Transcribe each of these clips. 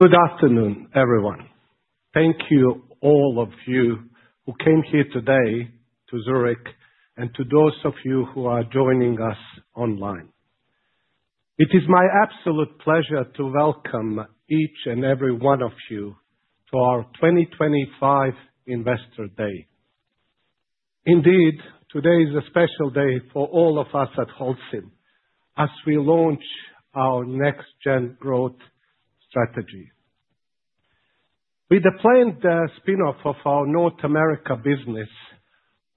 Good afternoon, everyone. Thank you, all of you who came here today to Zurich, and to those of you who are joining us online. It is my absolute pleasure to welcome each and every one of you to our 2025 Investor Day. Indeed, today is a special day for all of us at Holcim, as we launch our NextGen Growth strategy. With the planned spin-off of our North America business,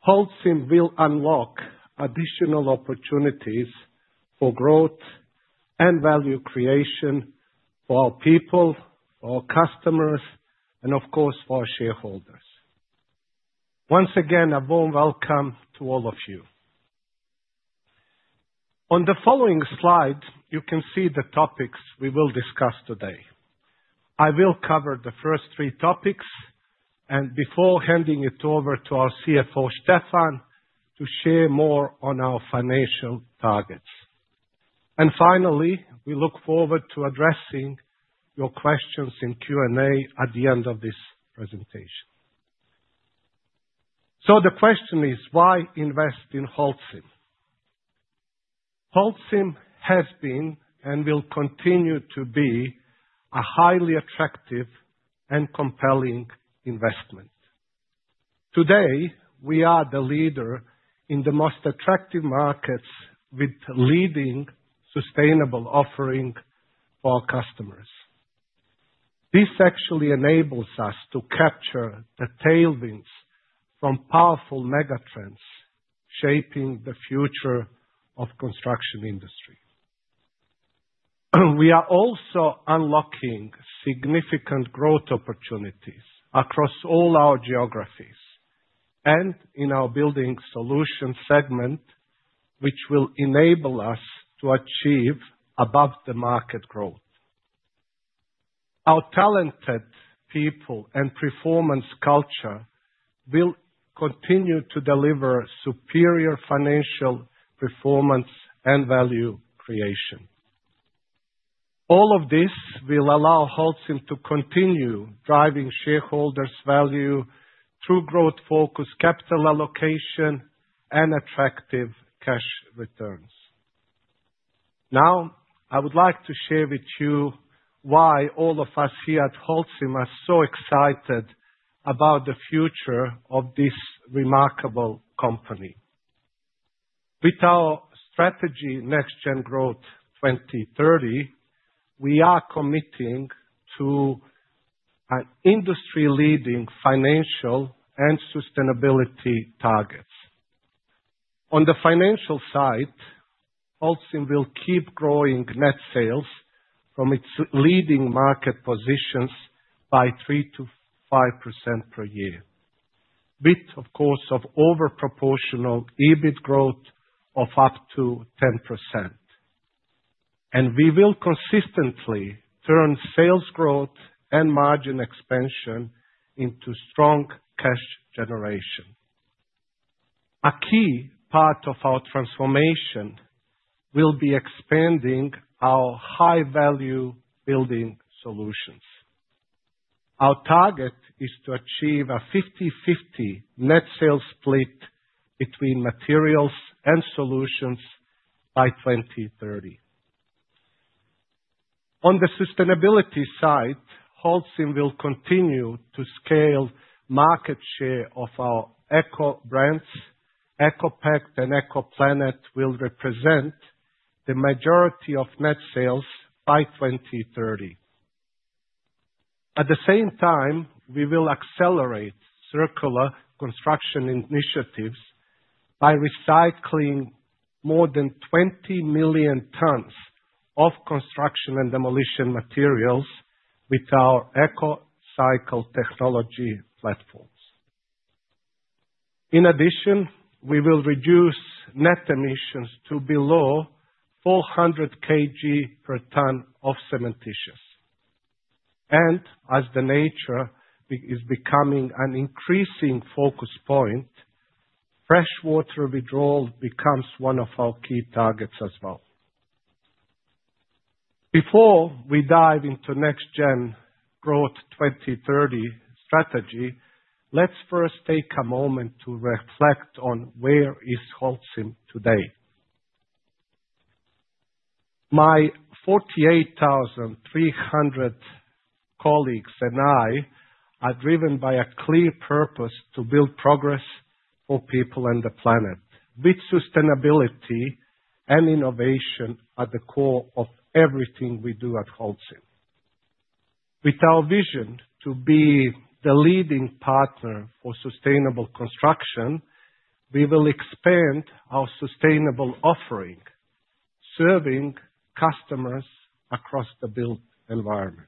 Holcim will unlock additional opportunities for growth and value creation for our people, for our customers, and of course, for our shareholders. Once again, a warm welcome to all of you. On the following slide, you can see the topics we will discuss today. I will cover the first three topics, and before handing it over to our CFO, Steffen, to share more on our financial targets. Finally, we look forward to addressing your questions in Q&A at the end of this presentation. The question is, why invest in Holcim? Holcim has been and will continue to be a highly attractive and compelling investment. Today, we are the leader in the most attractive markets with leading sustainable offering for our customers. This actually enables us to capture the tailwinds from powerful megatrends shaping the future of the construction industry. We are also unlocking significant growth opportunities across all our geographies and in our building solution segment, which will enable us to achieve above-the-market growth. Our talented people and performance culture will continue to deliver superior financial performance and value creation. All of this will allow Holcim to continue driving shareholders' value through growth-focused capital allocation and attractive cash returns. Now, I would like to share with you why all of us here at Holcim are so excited about the future of this remarkable company. With our strategy, NextGen Growth 2030, we are committing to industry-leading financial and sustainability targets. On the financial side, Holcim will keep growing net sales from its leading market positions by 3%-5% per year, with, of course, an overproportional EBIT growth of up to 10%. We will consistently turn sales growth and margin expansion into strong cash generation. A key part of our transformation will be expanding our high-value building solutions. Our target is to achieve a 50/50 net sales split between materials and solutions by 2030. On the sustainability side, Holcim will continue to scale the market share of our eco-brands. ECOPact and ECOPlanet will represent the majority of net sales by 2030. At the same time, we will accelerate circular construction initiatives by recycling more than 20 million tons of construction and demolition materials with our ECOCycle technology platforms. In addition, we will reduce net emissions to below 400 kg per ton of cementitious. As nature is becoming an increasing focus point, freshwater withdrawal becomes one of our key targets as well. Before we dive into NextGen Growth 2030 strategy, let's first take a moment to reflect on where Holcim is today. My 48,300 colleagues and I are driven by a clear purpose to build progress for people and the planet, with sustainability and innovation at the core of everything we do at Holcim. With our vision to be the leading partner for sustainable construction, we will expand our sustainable offering, serving customers across the built environment.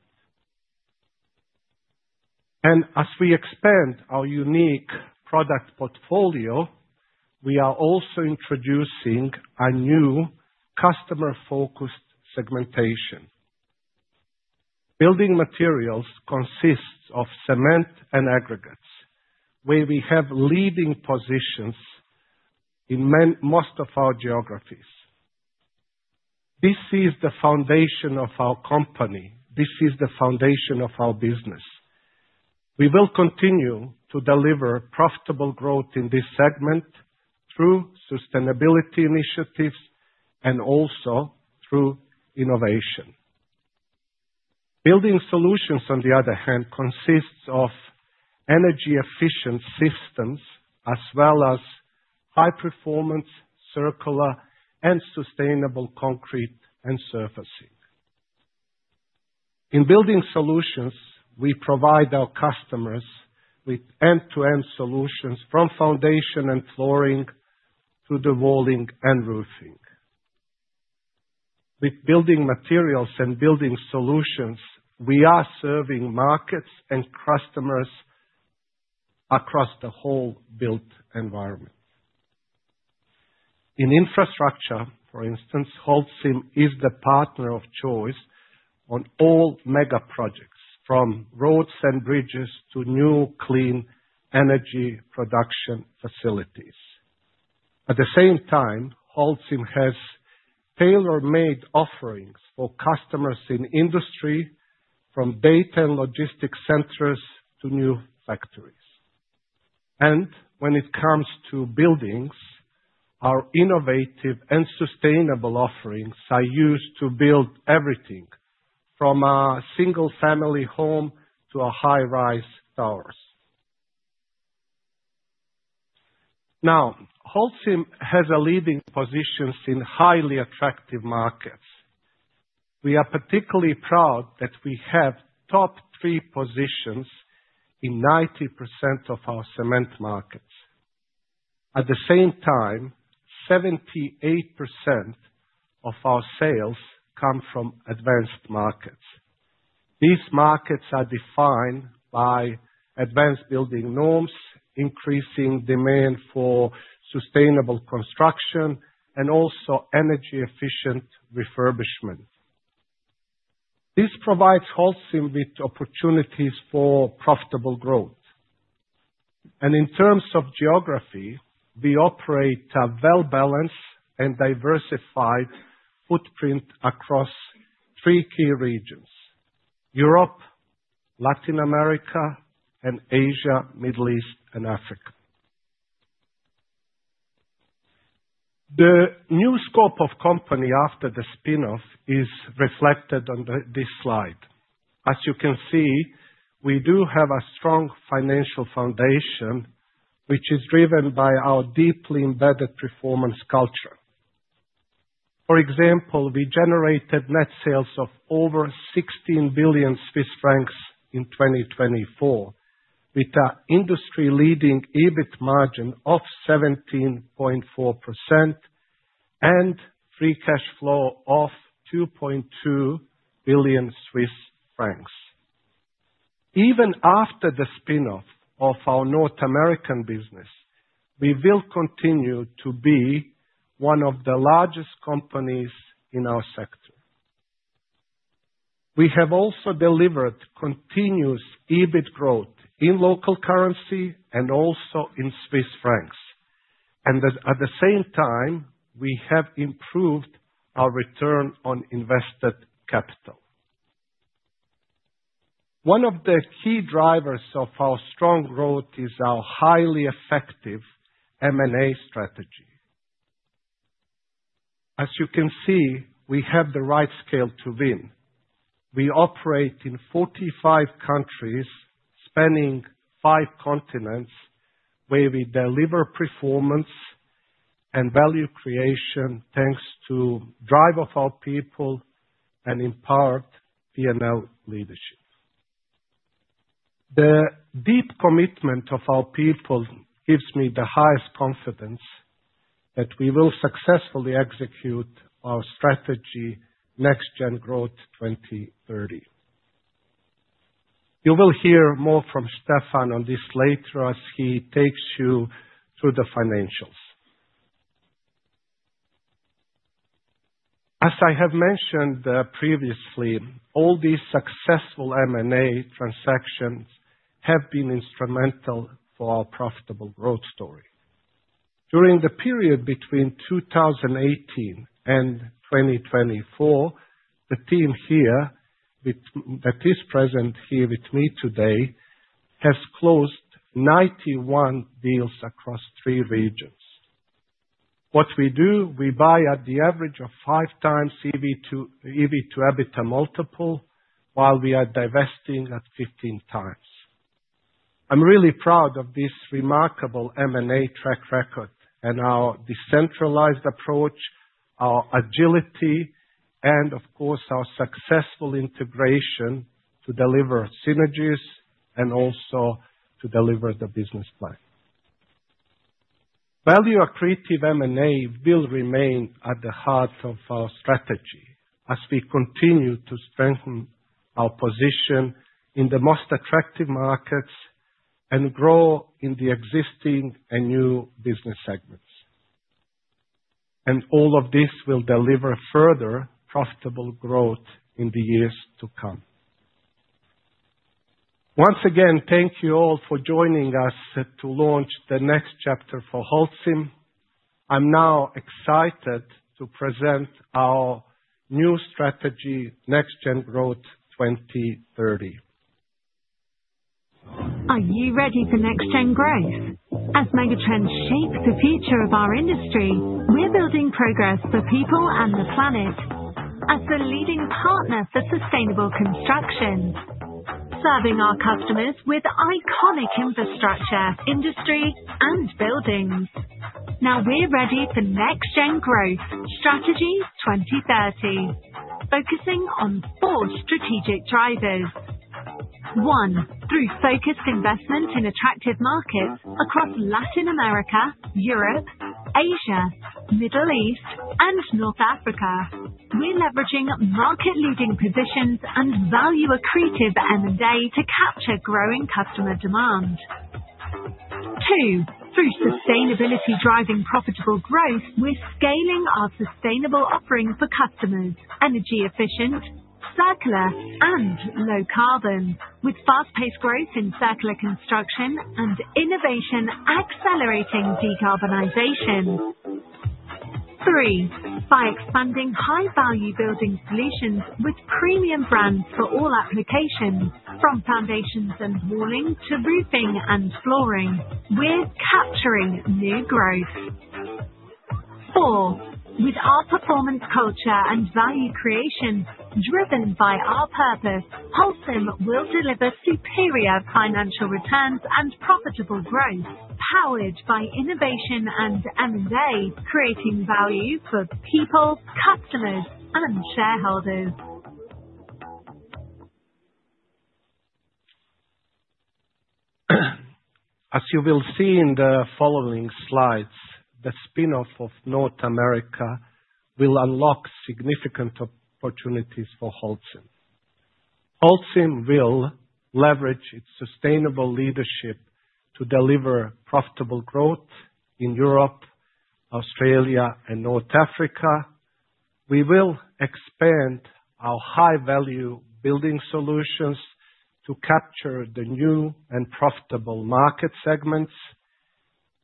As we expand our unique product portfolio, we are also introducing a new customer-focused segmentation. Building materials consist of cement and aggregates, where we have leading positions in most of our geographies. This is the foundation of our company. This is the foundation of our business. We will continue to deliver profitable growth in this segment through sustainability initiatives and also through innovation. Building solutions, on the other hand, consist of energy-efficient systems as well as high-performance circular and sustainable concrete and surfacing. In building solutions, we provide our customers with end-to-end solutions, from foundation and flooring to the walling and roofing. With building materials and building solutions, we are serving markets and customers across the whole built environment. In infrastructure, for instance, Holcim is the partner of choice on all mega projects, from roads and bridges to new clean energy production facilities. At the same time, Holcim has tailor-made offerings for customers in industry, from data and logistics centers to new factories. When it comes to buildings, our innovative and sustainable offerings are used to build everything from a single-family home to a high-rise tower. Holcim has leading positions in highly attractive markets. We are particularly proud that we have top three positions in 90% of our cement markets. At the same time, 78% of our sales come from advanced markets. These markets are defined by advanced building norms, increasing demand for sustainable construction, and also energy-efficient refurbishment. This provides Holcim with opportunities for profitable growth. In terms of geography, we operate a well-balanced and diversified footprint across three key regions: Europe, Latin America, and Asia, Middle East, and Africa. The new scope of the company after the spin-off is reflected on this slide. As you can see, we do have a strong financial foundation, which is driven by our deeply embedded performance culture. For example, we generated net sales of over 16 billion Swiss francs in 2024, with an industry-leading EBIT margin of 17.4% and free cash flow of 2.2 billion Swiss francs. Even after the spin-off of our North American business, we will continue to be one of the largest companies in our sector. We have also delivered continuous EBIT growth in local currency and also in Swiss francs. At the same time, we have improved our return on invested capital. One of the key drivers of our strong growth is our highly effective M&A strategy. As you can see, we have the right scale to win. We operate in 45 countries, spanning five continents, where we deliver performance and value creation thanks to the drive of our people and empowered P&L leadership. The deep commitment of our people gives me the highest confidence that we will successfully execute our strategy NextGen Growth 2030. You will hear more from Steffen on this later as he takes you through the financials. As I have mentioned previously, all these successful M&A transactions have been instrumental for our profitable growth story. During the period between 2018 and 2024, the team here that is present here with me today has closed 91 deals across three regions. What we do, we buy at the average of 5x EBIT multiple while we are divesting at 15x. I'm really proud of this remarkable M&A track record and our decentralized approach, our agility, and, of course, our successful integration to deliver synergies and also to deliver the business plan. Value-accretive M&A will remain at the heart of our strategy as we continue to strengthen our position in the most attractive markets and grow in the existing and new business segments. All of this will deliver further profitable growth in the years to come. Once again, thank you all for joining us to launch the next chapter for Holcim. I'm now excited to present our new strategy, NextGen Growth 2030. Are you ready for NextGen Growth? As megatrends shape the future of our industry, we're building progress for people and the planet as the leading partner for sustainable construction, serving our customers with iconic infrastructure, industry, and buildings. Now we're ready for NextGen Growth Strategy 2030, focusing on four strategic drivers. One, through focused investment in attractive markets across Latin America, Europe, Asia, Middle East, and North Africa, we're leveraging market-leading positions and value-accretive M&A to capture growing customer demand. Two, through sustainability-driving profitable growth, we're scaling our sustainable offering for customers: energy-efficient, circular, and low carbon, with fast-paced growth in circular construction and innovation accelerating decarbonization. Three, by expanding high-value building solutions with premium brands for all applications, from foundations and walling to roofing and flooring, we're capturing new growth. Four, with our performance culture and value creation driven by our purpose, Holcim will deliver superior financial returns and profitable growth powered by innovation and M&A, creating value for people, customers, and shareholders. As you will see in the following slides, the spin-off of North America will unlock significant opportunities for Holcim. Holcim will leverage its sustainable leadership to deliver profitable growth in Europe, Australia, and North Africa. We will expand our high-value building solutions to capture the new and profitable market segments.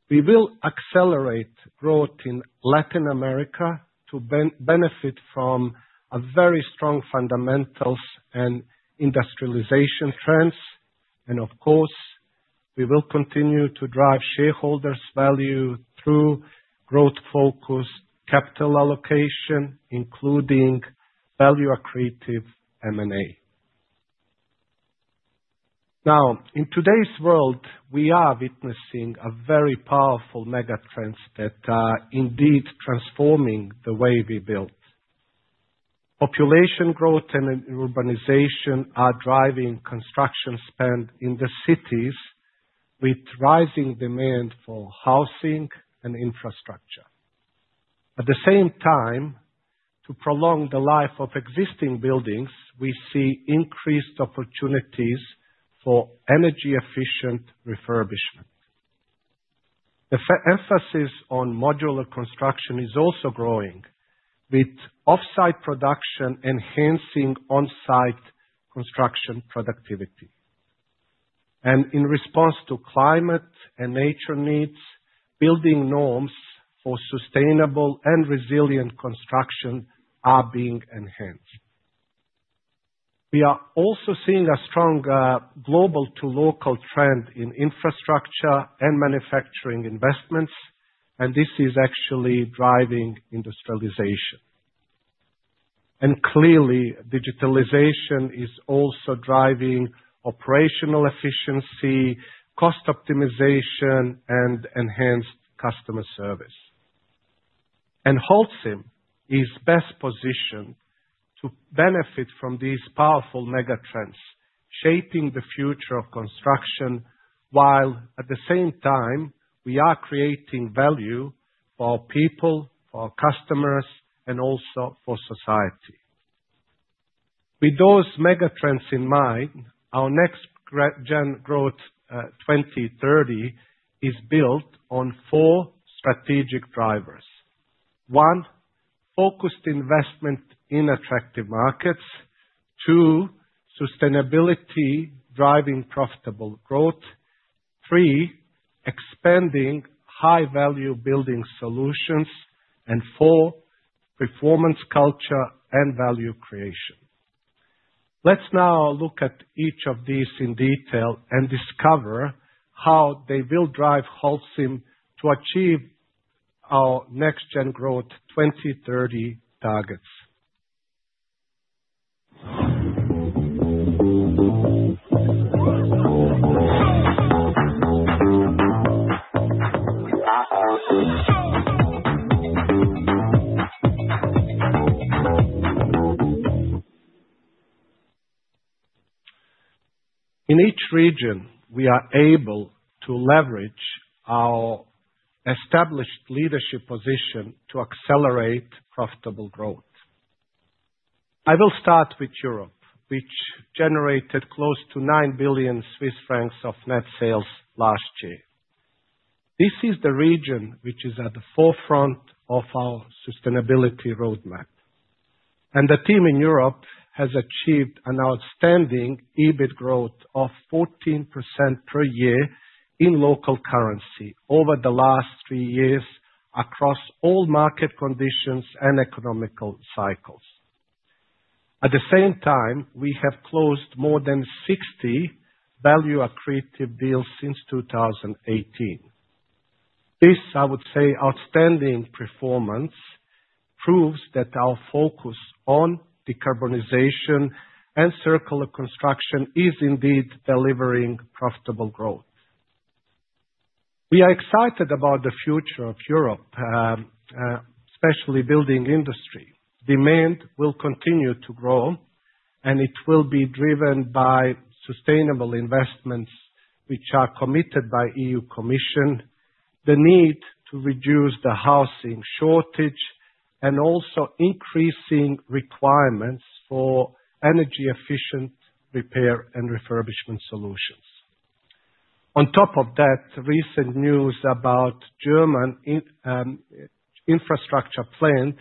We will accelerate growth in Latin America to benefit from very strong fundamentals and industrialization trends. Of course, we will continue to drive shareholders' value through growth-focused capital allocation, including value-accretive M&A. In today's world, we are witnessing a very powerful megatrend that is indeed transforming the way we build. Population growth and urbanization are driving construction spend in the cities, with rising demand for housing and infrastructure. At the same time, to prolong the life of existing buildings, we see increased opportunities for energy-efficient refurbishment. The emphasis on modular construction is also growing, with off-site production enhancing on-site construction productivity. In response to climate and nature needs, building norms for sustainable and resilient construction are being enhanced. We are also seeing a strong global-to-local trend in infrastructure and manufacturing investments, and this is actually driving industrialization. Clearly, digitalization is also driving operational efficiency, cost optimization, and enhanced customer service. Holcim is best positioned to benefit from these powerful megatrends, shaping the future of construction, while at the same time, we are creating value for people, for customers, and also for society. With those megatrends in mind, our NextGen Growth 2030 is built on four strategic drivers: one, focused investment in attractive markets; two, sustainability driving profitable growth; three, expanding high-value building solutions; and four, performance culture and value creation. Let's now look at each of these in detail and discover how they will drive Holcim to achieve our NextGen Growth 2030 targets. In each region, we are able to leverage our established leadership position to accelerate profitable growth. I will start with Europe, which generated close to 9 billion Swiss francs of net sales last year. This is the region which is at the forefront of our sustainability roadmap. The team in Europe has achieved an outstanding EBIT growth of 14% per year in local currency over the last three years across all market conditions and economical cycles. At the same time, we have closed more than 60 value-accretive deals since 2018. This, I would say, outstanding performance proves that our focus on decarbonization and circular construction is indeed delivering profitable growth. We are excited about the future of Europe, especially building industry. Demand will continue to grow, and it will be driven by sustainable investments which are committed by the EU Commission, the need to reduce the housing shortage, and also increasing requirements for energy-efficient repair and refurbishment solutions. On top of that, recent news about the German infrastructure plan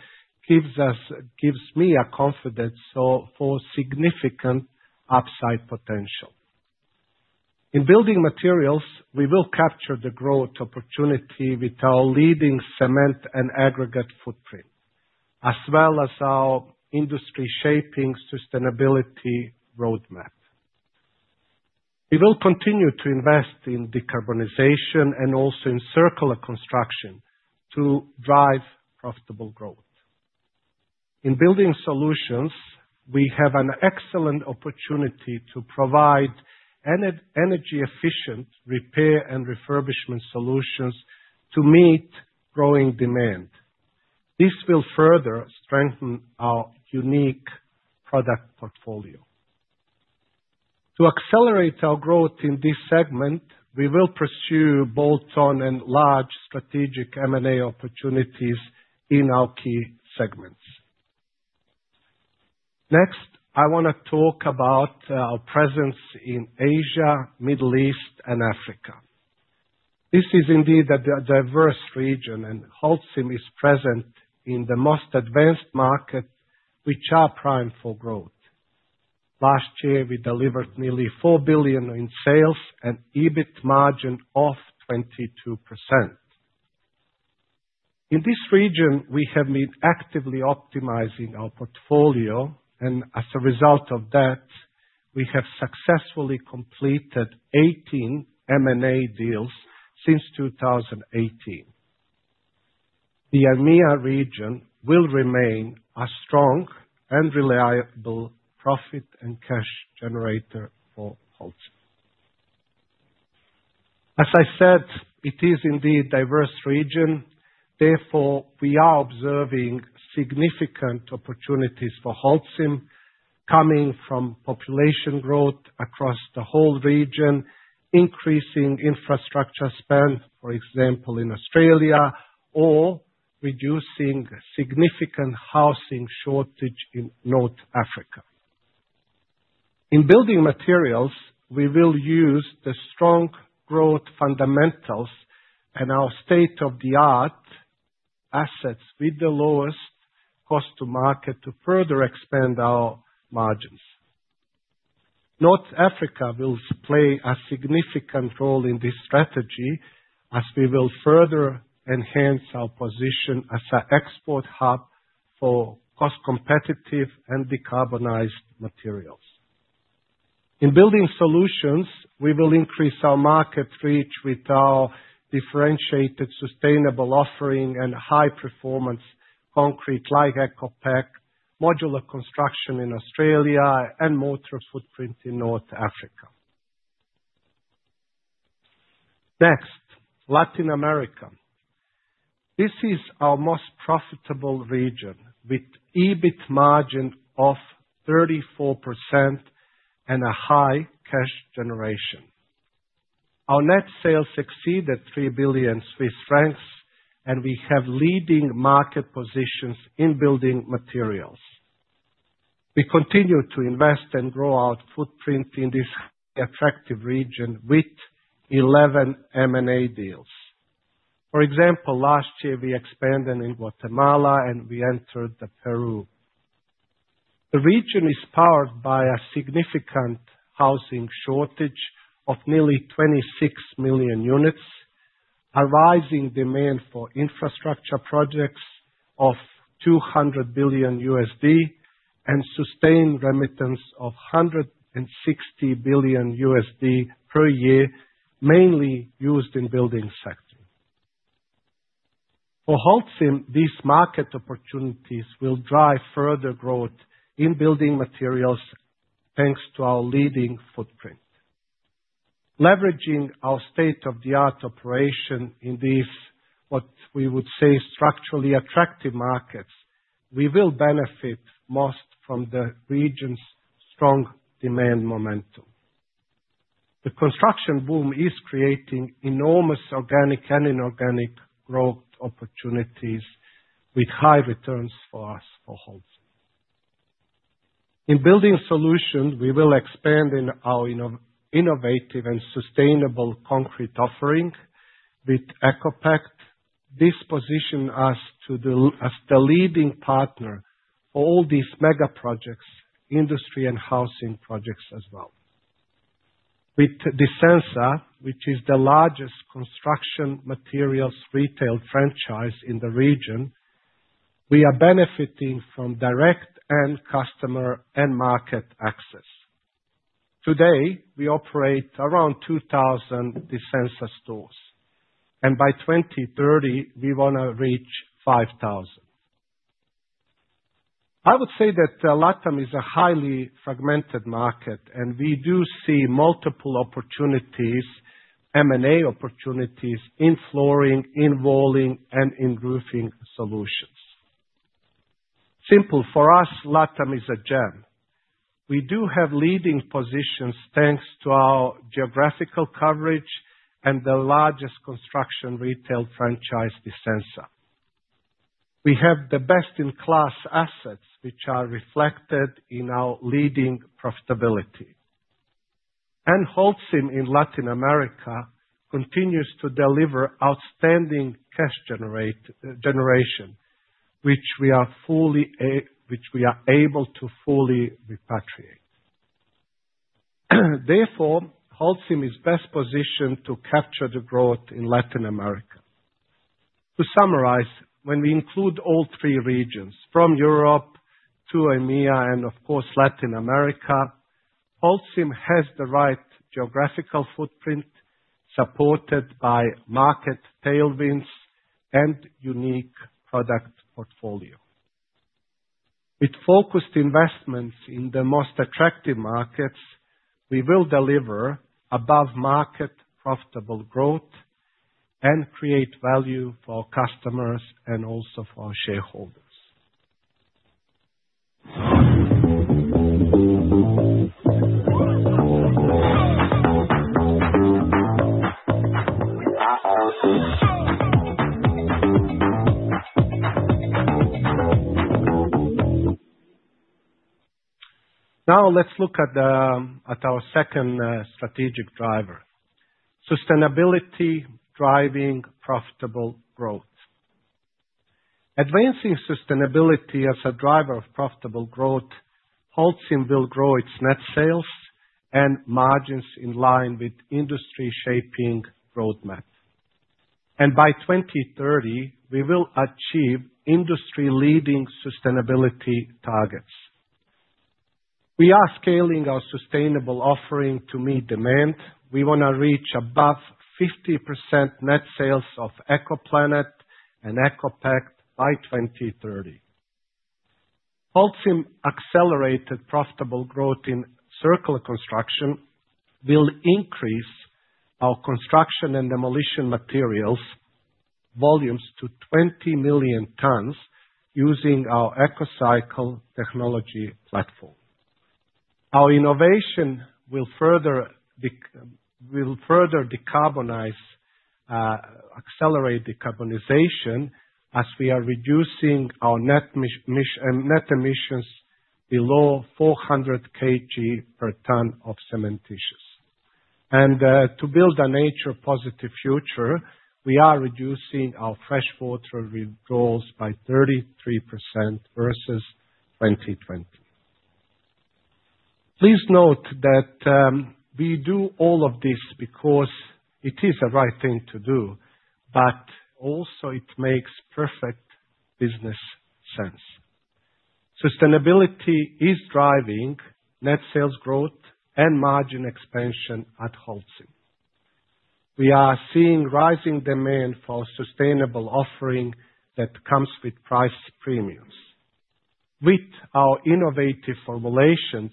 gives me confidence for significant upside potential. In building materials, we will capture the growth opportunity with our leading cement and aggregate footprint, as well as our industry-shaping sustainability roadmap. We will continue to invest in decarbonization and also in circular construction to drive profitable growth. In building solutions, we have an excellent opportunity to provide energy-efficient repair and refurbishment solutions to meet growing demand. This will further strengthen our unique product portfolio. To accelerate our growth in this segment, we will pursue bolt-on and large strategic M&A opportunities in our key segments. Next, I want to talk about our presence in Asia, Middle East, and Africa. This is indeed a diverse region, and Holcim is present in the most advanced markets, which are primed for growth. Last year, we delivered nearly 4 billion in sales and an EBIT margin of 22%. In this region, we have been actively optimizing our portfolio, and as a result of that, we have successfully completed 18 M&A deals since 2018. The EMEA region will remain a strong and reliable profit and cash generator for Holcim. As I said, it is indeed a diverse region. Therefore, we are observing significant opportunities for Holcim coming from population growth across the whole region, increasing infrastructure spend, for example, in Australia, or reducing significant housing shortage in North Africa. In building materials, we will use the strong growth fundamentals and our state-of-the-art assets with the lowest cost-to-market to further expand our margins. North Africa will play a significant role in this strategy as we will further enhance our position as an export hub for cost-competitive and decarbonized materials. In building solutions, we will increase our market reach with our differentiated sustainable offering and high-performance concrete like ECOPact, modular construction in Australia, and mortar footprint in North Africa. Next, Latin America. This is our most profitable region with an EBIT margin of 34% and a high cash generation. Our net sales exceeded 3 billion Swiss francs, and we have leading market positions in building materials. We continue to invest and grow our footprint in this attractive region with 11 M&A deals. For example, last year, we expanded in Guatemala, and we entered Peru. The region is powered by a significant housing shortage of nearly 26 million units, a rising demand for infrastructure projects of $200 billion, and sustained remittance of $160 billion per year, mainly used in the building sector. For Holcim, these market opportunities will drive further growth in building materials thanks to our leading footprint. Leveraging our state-of-the-art operation in these, what we would say, structurally attractive markets, we will benefit most from the region's strong demand momentum. The construction boom is creating enormous organic and inorganic growth opportunities with high returns for us, for Holcim. In building solutions, we will expand in our innovative and sustainable concrete offering with ECOPact. This positions us as the leading partner for all these megaprojects, industry, and housing projects as well. With Disensa, which is the largest construction materials retail franchise in the region, we are benefiting from direct and customer and market access. Today, we operate around 2,000 Disensa stores, and by 2030, we want to reach 5,000. I would say that Latin is a highly fragmented market, and we do see multiple opportunities, M&A opportunities in flooring, in walling, and in roofing solutions. Simple, for us, Latin is a gem. We do have leading positions thanks to our geographical coverage and the largest construction retail franchise, Disensa. We have the best-in-class assets, which are reflected in our leading profitability. Holcim in Latin America continues to deliver outstanding cash generation, which we are able to fully repatriate. Therefore, Holcim is best positioned to capture the growth in Latin America. To summarize, when we include all three regions, from Europe to EMEA and, of course, Latin America, Holcim has the right geographical footprint supported by market tailwinds and a unique product portfolio. With focused investments in the most attractive markets, we will deliver above-market profitable growth and create value for our customers and also for our shareholders. Now, let's look at our second strategic driver: sustainability driving profitable growth. Advancing sustainability as a driver of profitable growth, Holcim will grow its net sales and margins in line with the industry-shaping roadmap. By 2030, we will achieve industry-leading sustainability targets. We are scaling our sustainable offering to meet demand. We want to reach above 50% net sales of ECOPlanet and ECOPact by 2030. Holcim accelerated profitable growth in circular construction. We will increase our construction and demolition materials volumes to 20 million tons using our ECOCycle technology platform. Our innovation will further decarbonize, accelerate decarbonization as we are reducing our net emissions below 400 kg per ton of cementitious. To build a nature-positive future, we are reducing our freshwater withdrawals by 33% versus 2020. Please note that we do all of this because it is the right thing to do, but also it makes perfect business sense. Sustainability is driving net sales growth and margin expansion at Holcim. We are seeing rising demand for sustainable offering that comes with price premiums. With our innovative formulations,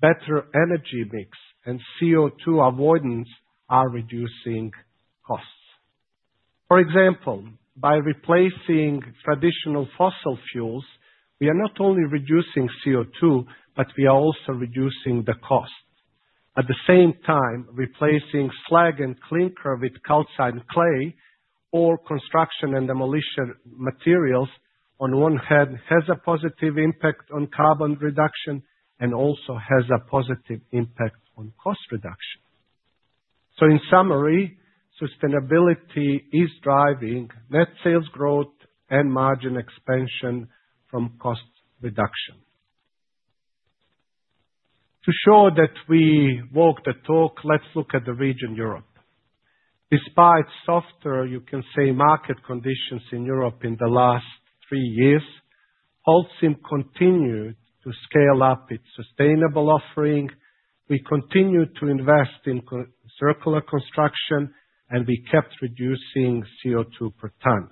better energy mix, and CO2 avoidance are reducing costs. For example, by replacing traditional fossil fuels, we are not only reducing CO2, but we are also reducing the cost. At the same time, replacing slag and clinker with calcite and clay, all construction and demolition materials on one hand has a positive impact on carbon reduction and also has a positive impact on cost reduction. In summary, sustainability is driving net sales growth and margin expansion from cost reduction. To show that we walked the talk, let's look at the region, Europe. Despite softer, you can say, market conditions in Europe in the last three years, Holcim continued to scale up its sustainable offering. We continued to invest in circular construction, and we kept reducing CO2 per ton.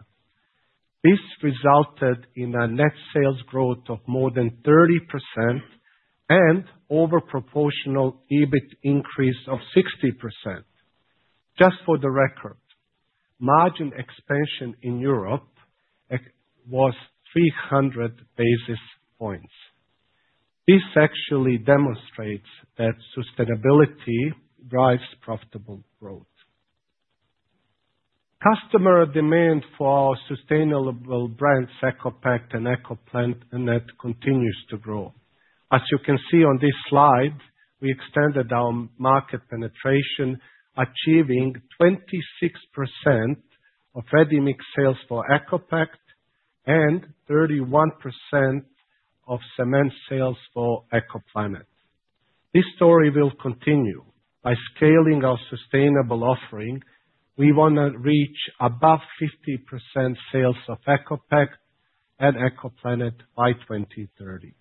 This resulted in a net sales growth of more than 30% and overproportional EBIT increase of 60%. Just for the record, margin expansion in Europe was 300 basis points. This actually demonstrates that sustainability drives profitable growth. Customer demand for our sustainable brands, ECOPact and ECOPlanet, continues to grow. As you can see on this slide, we extended our market penetration, achieving 26% of ready-mix sales for ECOPact and 31% of cement sales for ECOPlanet. This story will continue by scaling our sustainable offering. We want to reach above 50% sales of ECOPact and ECOPlanet by 2030.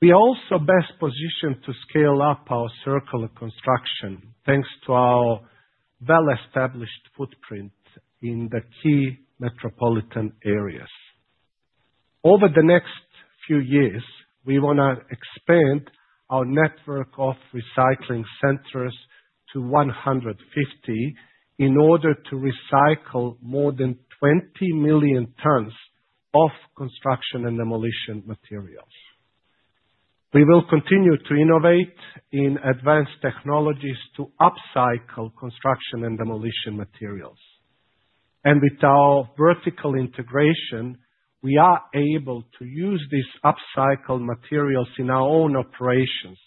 We are also best positioned to scale up our circular construction thanks to our well-established footprint in the key metropolitan areas. Over the next few years, we want to expand our network of recycling centers to 150 in order to recycle more than 20 million tons of construction and demolition materials. We will continue to innovate in advanced technologies to upcycle construction and demolition materials. With our vertical integration, we are able to use these upcycled materials in our own operations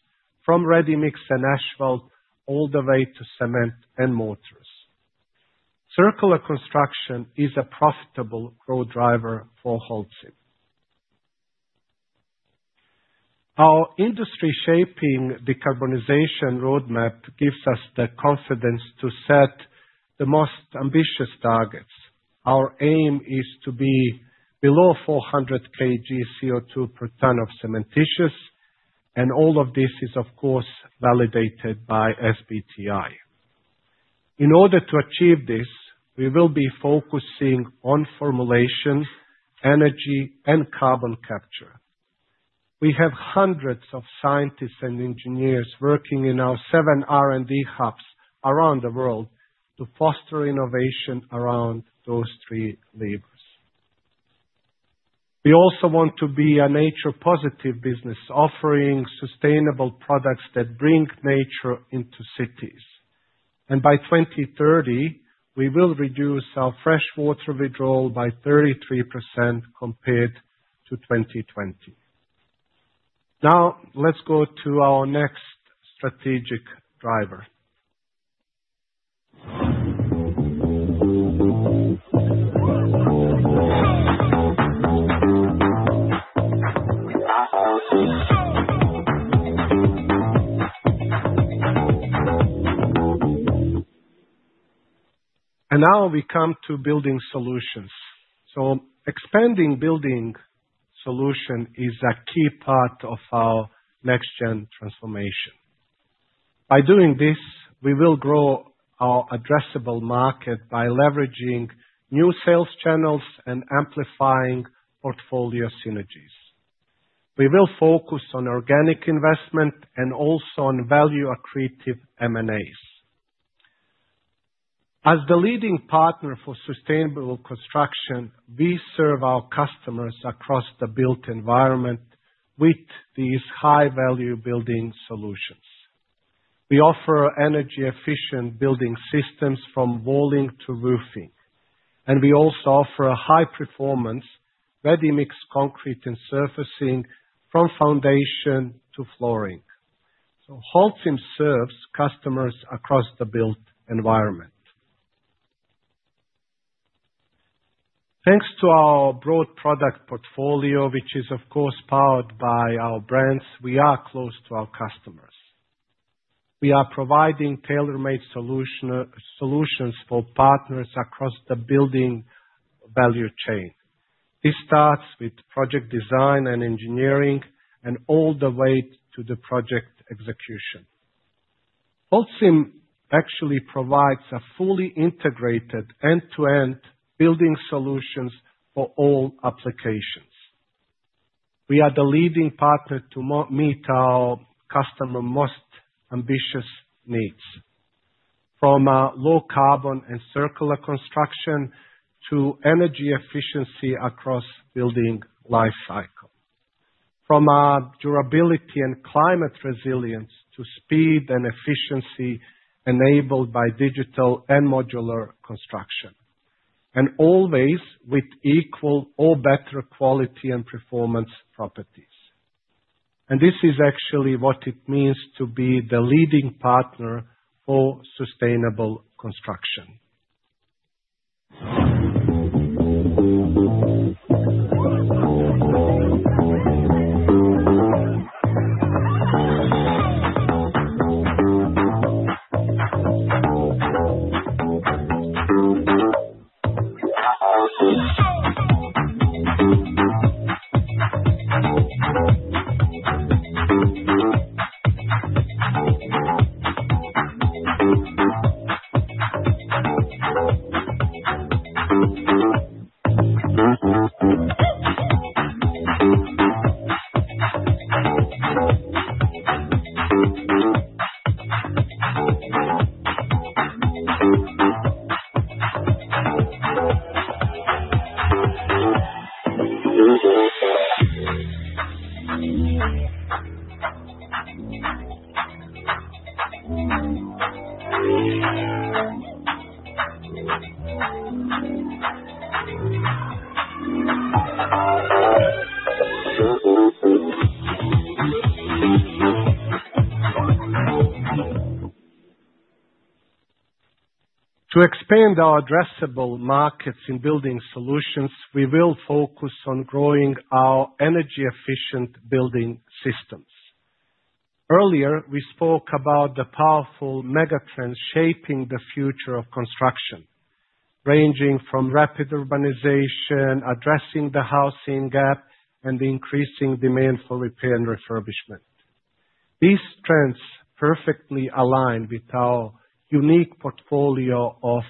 from ready-mix and asphalt all the way to cement and mortars. Circular construction is a profitable growth driver for Holcim. Our industry-shaping decarbonization roadmap gives us the confidence to set the most ambitious targets. Our aim is to be below 400 kg CO2 per ton of cementitious, and all of this is, of course, validated by SBTi. In order to achieve this, we will be focusing on formulation, energy, and carbon capture. We have hundreds of scientists and engineers working in our 7 R&D hubs around the world to foster innovation around those three levers. We also want to be a nature-positive business offering sustainable products that bring nature into cities. By 2030, we will reduce our freshwater withdrawal by 33% compared to 2020. Now, let's go to our next strategic driver. Now we come to building solutions. Expanding building solutions is a key part of our next-gen transformation. By doing this, we will grow our addressable market by leveraging new sales channels and amplifying portfolio synergies. We will focus on organic investment and also on value-accretive M&As. As the leading partner for sustainable construction, we serve our customers across the built environment with these high-value building solutions. We offer energy-efficient building systems from walling to roofing, and we also offer high-performance ready-mix concrete and surfacing from foundation to flooring. Holcim serves customers across the built environment. Thanks to our broad product portfolio, which is, of course, powered by our brands, we are close to our customers. We are providing tailor-made solutions for partners across the building value chain. This starts with project design and engineering and all the way to the project execution. Holcim actually provides a fully integrated end-to-end building solutions for all applications. We are the leading partner to meet our customers' most ambitious needs, from low carbon and circular construction to energy efficiency across the building lifecycle, from durability and climate resilience to speed and efficiency enabled by digital and modular construction, and always with equal or better quality and performance properties. This is actually what it means to be the leading partner for sustainable construction. To expand our addressable markets in building solutions, we will focus on growing our energy-efficient building systems. Earlier, we spoke about the powerful megatrends shaping the future of construction, ranging from rapid urbanization, addressing the housing gap, and increasing demand for repair and refurbishment. These trends perfectly align with our unique portfolio of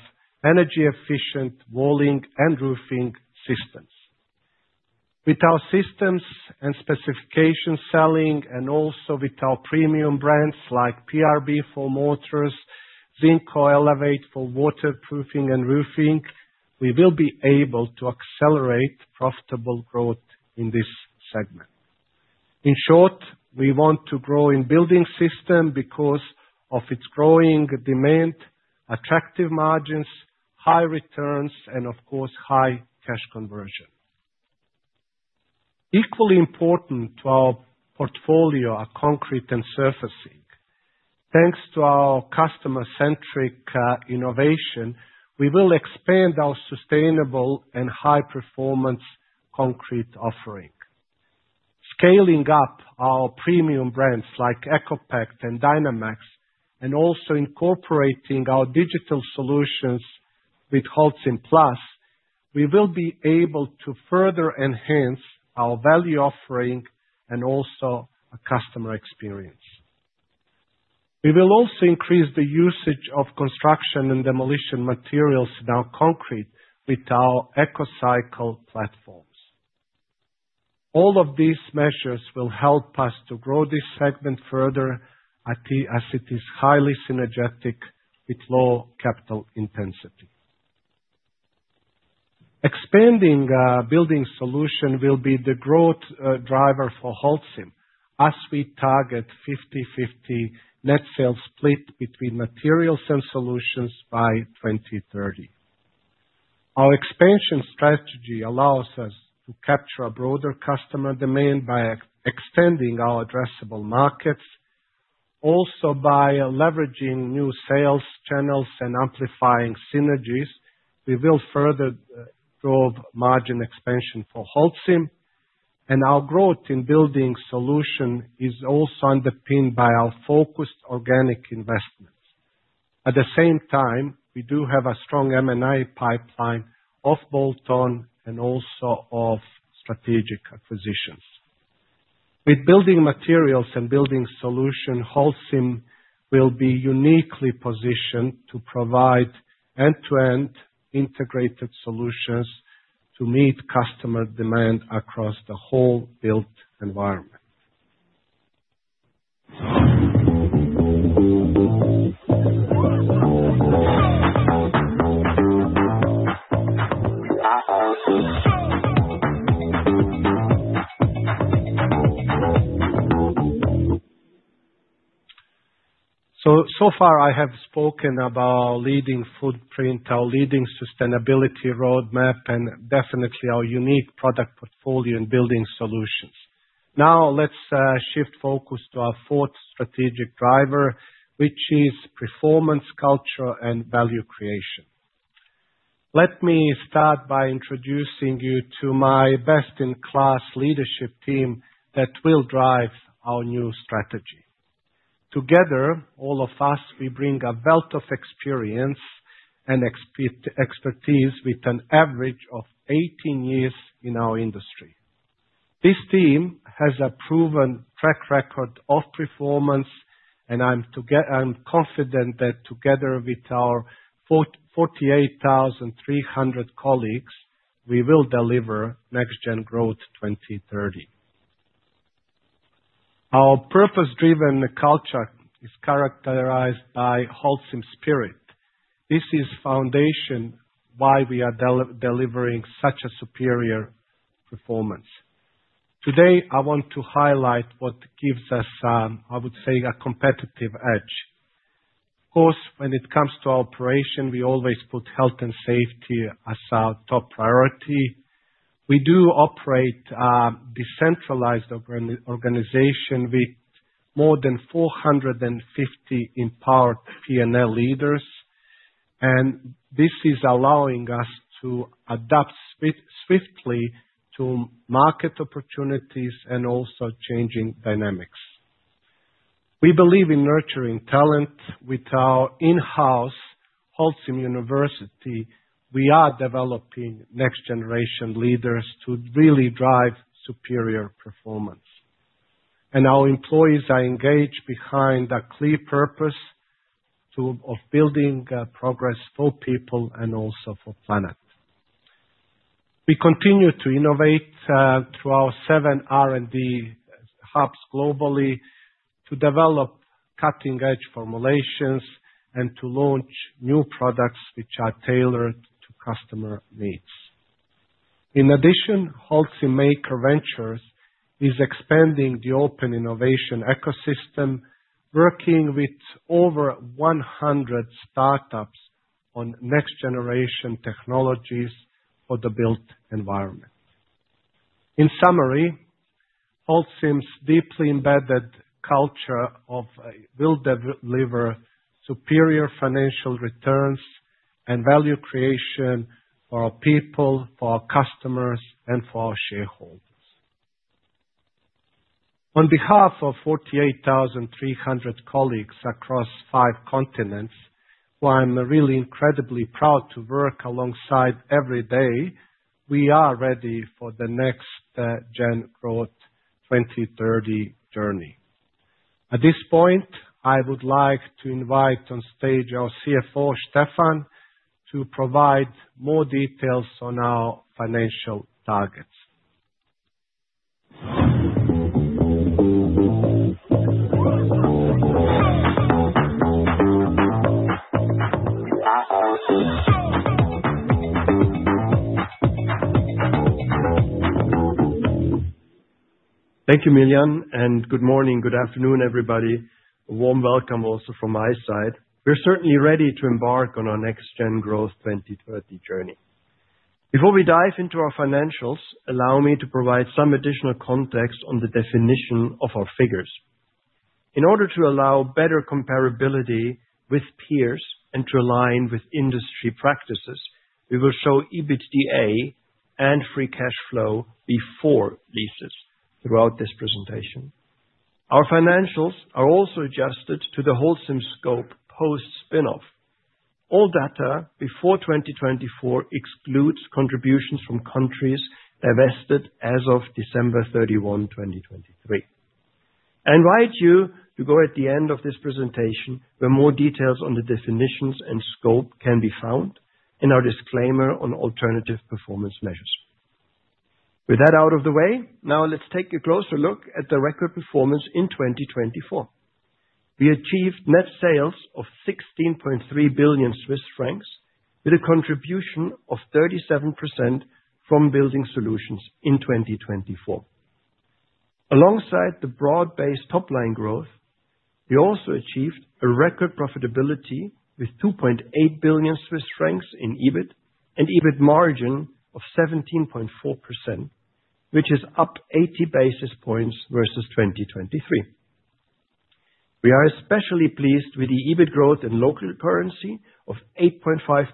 energy-efficient walling and roofing systems. With our systems and specifications selling, and also with our premium brands like PRB for mortars, ZinCo, Elevate for waterproofing and roofing, we will be able to accelerate profitable growth in this segment. In short, we want to grow in building systems because of its growing demand, attractive margins, high returns, and, of course, high cash conversion. Equally important to our portfolio are concrete and surfacing. Thanks to our customer-centric innovation, we will expand our sustainable and high-performance concrete offering. Scaling up our premium brands like ECOPact and DYNAMax, and also incorporating our digital solutions with Holcim+, we will be able to further enhance our value offering and also our customer experience. We will also increase the usage of construction and demolition materials in our concrete with our ECOCycle platforms. All of these measures will help us to grow this segment further as it is highly synergetic with low capital intensity. Expanding building solutions will be the growth driver for Holcim as we target 50/50 net sales split between materials and solutions by 2030. Our expansion strategy allows us to capture a broader customer demand by extending our addressable markets. Also, by leveraging new sales channels and amplifying synergies, we will further grow margin expansion for Holcim. Our growth in building solutions is also underpinned by our focused organic investments. At the same time, we do have a strong M&A pipeline of bolt-on and also of strategic acquisitions. With building materials and building solutions, Holcim will be uniquely positioned to provide end-to-end integrated solutions to meet customer demand across the whole built environment. So far, I have spoken about our leading footprint, our leading sustainability roadmap, and definitely our unique product portfolio and building solutions. Now, let's shift focus to our fourth strategic driver, which is performance culture and value creation. Let me start by introducing you to my best-in-class leadership team that will drive our new strategy. Together, all of us, we bring a wealth of experience and expertise with an average of 18 years in our industry. This team has a proven track record of performance, and I'm confident that together with our 48,300 colleagues, we will deliver NextGen Growth 2030. Our purpose-driven culture is characterized by Holcim spirit. This is the foundation why we are delivering such superior performance. Today, I want to highlight what gives us, I would say, a competitive edge. Of course, when it comes to our operation, we always put health and safety as our top priority. We do operate a decentralized organization with more than 450 empowered P&L leaders, and this is allowing us to adapt swiftly to market opportunities and also changing dynamics. We believe in nurturing talent. With our in-house Holcim University, we are developing next-generation leaders to really drive superior performance. Our employees are engaged behind a clear purpose of building progress for people and also for the planet. We continue to innovate through our 7 R&D hubs globally to develop cutting-edge formulations and to launch new products which are tailored to customer needs. In addition, Holcim Maqer Ventures is expanding the open innovation ecosystem, working with over 100 startups on next-generation technologies for the built environment. In summary, Holcim's deeply embedded culture will deliver superior financial returns and value creation for our people, for our customers, and for our shareholders. On behalf of 48,300 colleagues across five continents who I'm really incredibly proud to work alongside every day, we are ready for the NextGen Growth 2030 journey. At this point, I would like to invite on stage our CFO, Steffen, to provide more details on our financial targets. Thank you, Miljan, and good morning, good afternoon, everybody. A warm welcome also from my side. We're certainly ready to embark on our NextGen Growth 2030 journey. Before we dive into our financials, allow me to provide some additional context on the definition of our figures. In order to allow better comparability with peers and to align with industry practices, we will show EBITDA and free cash flow before leases throughout this presentation. Our financials are also adjusted to the Holcim scope post-spinoff. All data before 2024 excludes contributions from countries divested as of December 31, 2023. I invite you to go at the end of this presentation where more details on the definitions and scope can be found in our disclaimer on alternative performance measures. With that out of the way, now let's take a closer look at the record performance in 2024. We achieved net sales of 16.3 billion Swiss francs with a contribution of 37% from building solutions in 2024. Alongside the broad-based top-line growth, we also achieved a record profitability with 2.8 billion Swiss francs in EBIT and EBIT margin of 17.4%, which is up 80 basis points versus 2023. We are especially pleased with the EBIT growth in local currency of 8.5%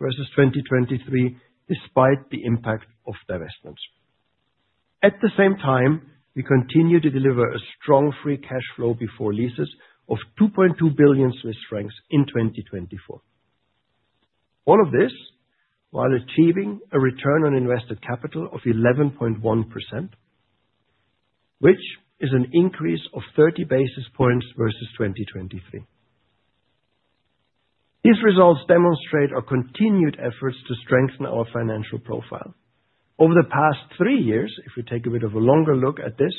versus 2023, despite the impact of divestments. At the same time, we continue to deliver a strong free cash flow before leases of 2.2 billion Swiss francs in 2024. All of this while achieving a return on invested capital of 11.1%, which is an increase of 30 basis points versus 2023. These results demonstrate our continued efforts to strengthen our financial profile. Over the past three years, if we take a bit of a longer look at this,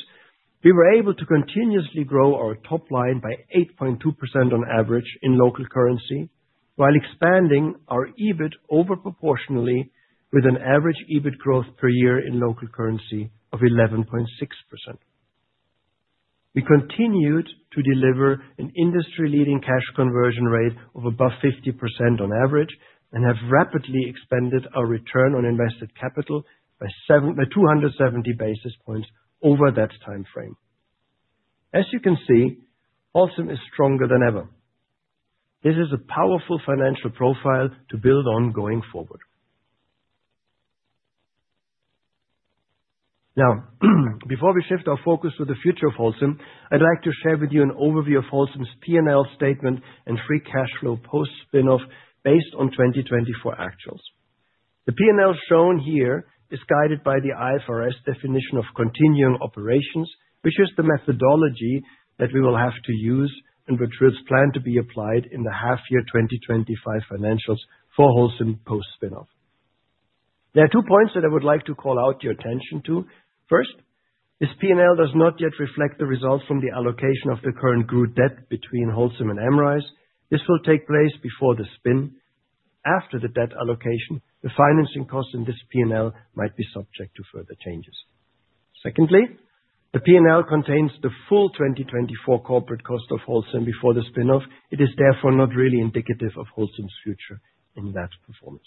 we were able to continuously grow our top line by 8.2% on average in local currency while expanding our EBIT overproportionally with an average EBIT growth per year in local currency of 11.6%. We continued to deliver an industry-leading cash conversion rate of above 50% on average and have rapidly expanded our return on invested capital by 270 basis points over that time frame. As you can see, Holcim is stronger than ever. This is a powerful financial profile to build on going forward. Now, before we shift our focus to the future of Holcim, I'd like to share with you an overview of Holcim's P&L statement and free cash flow post-spinoff based on 2024 actuals. The P&L shown here is guided by the IFRS definition of continuing operations, which is the methodology that we will have to use and which we plan to be applied in the half-year 2025 financials for Holcim post-spinoff. There are two points that I would like to call out your attention to. First, this P&L does not yet reflect the result from the allocation of the current group debt between Holcim and Amrize. This will take place before the spin. After the debt allocation, the financing cost in this P&L might be subject to further changes. Secondly, the P&L contains the full 2024 corporate cost of Holcim before the spinoff. It is therefore not really indicative of Holcim's future in that performance.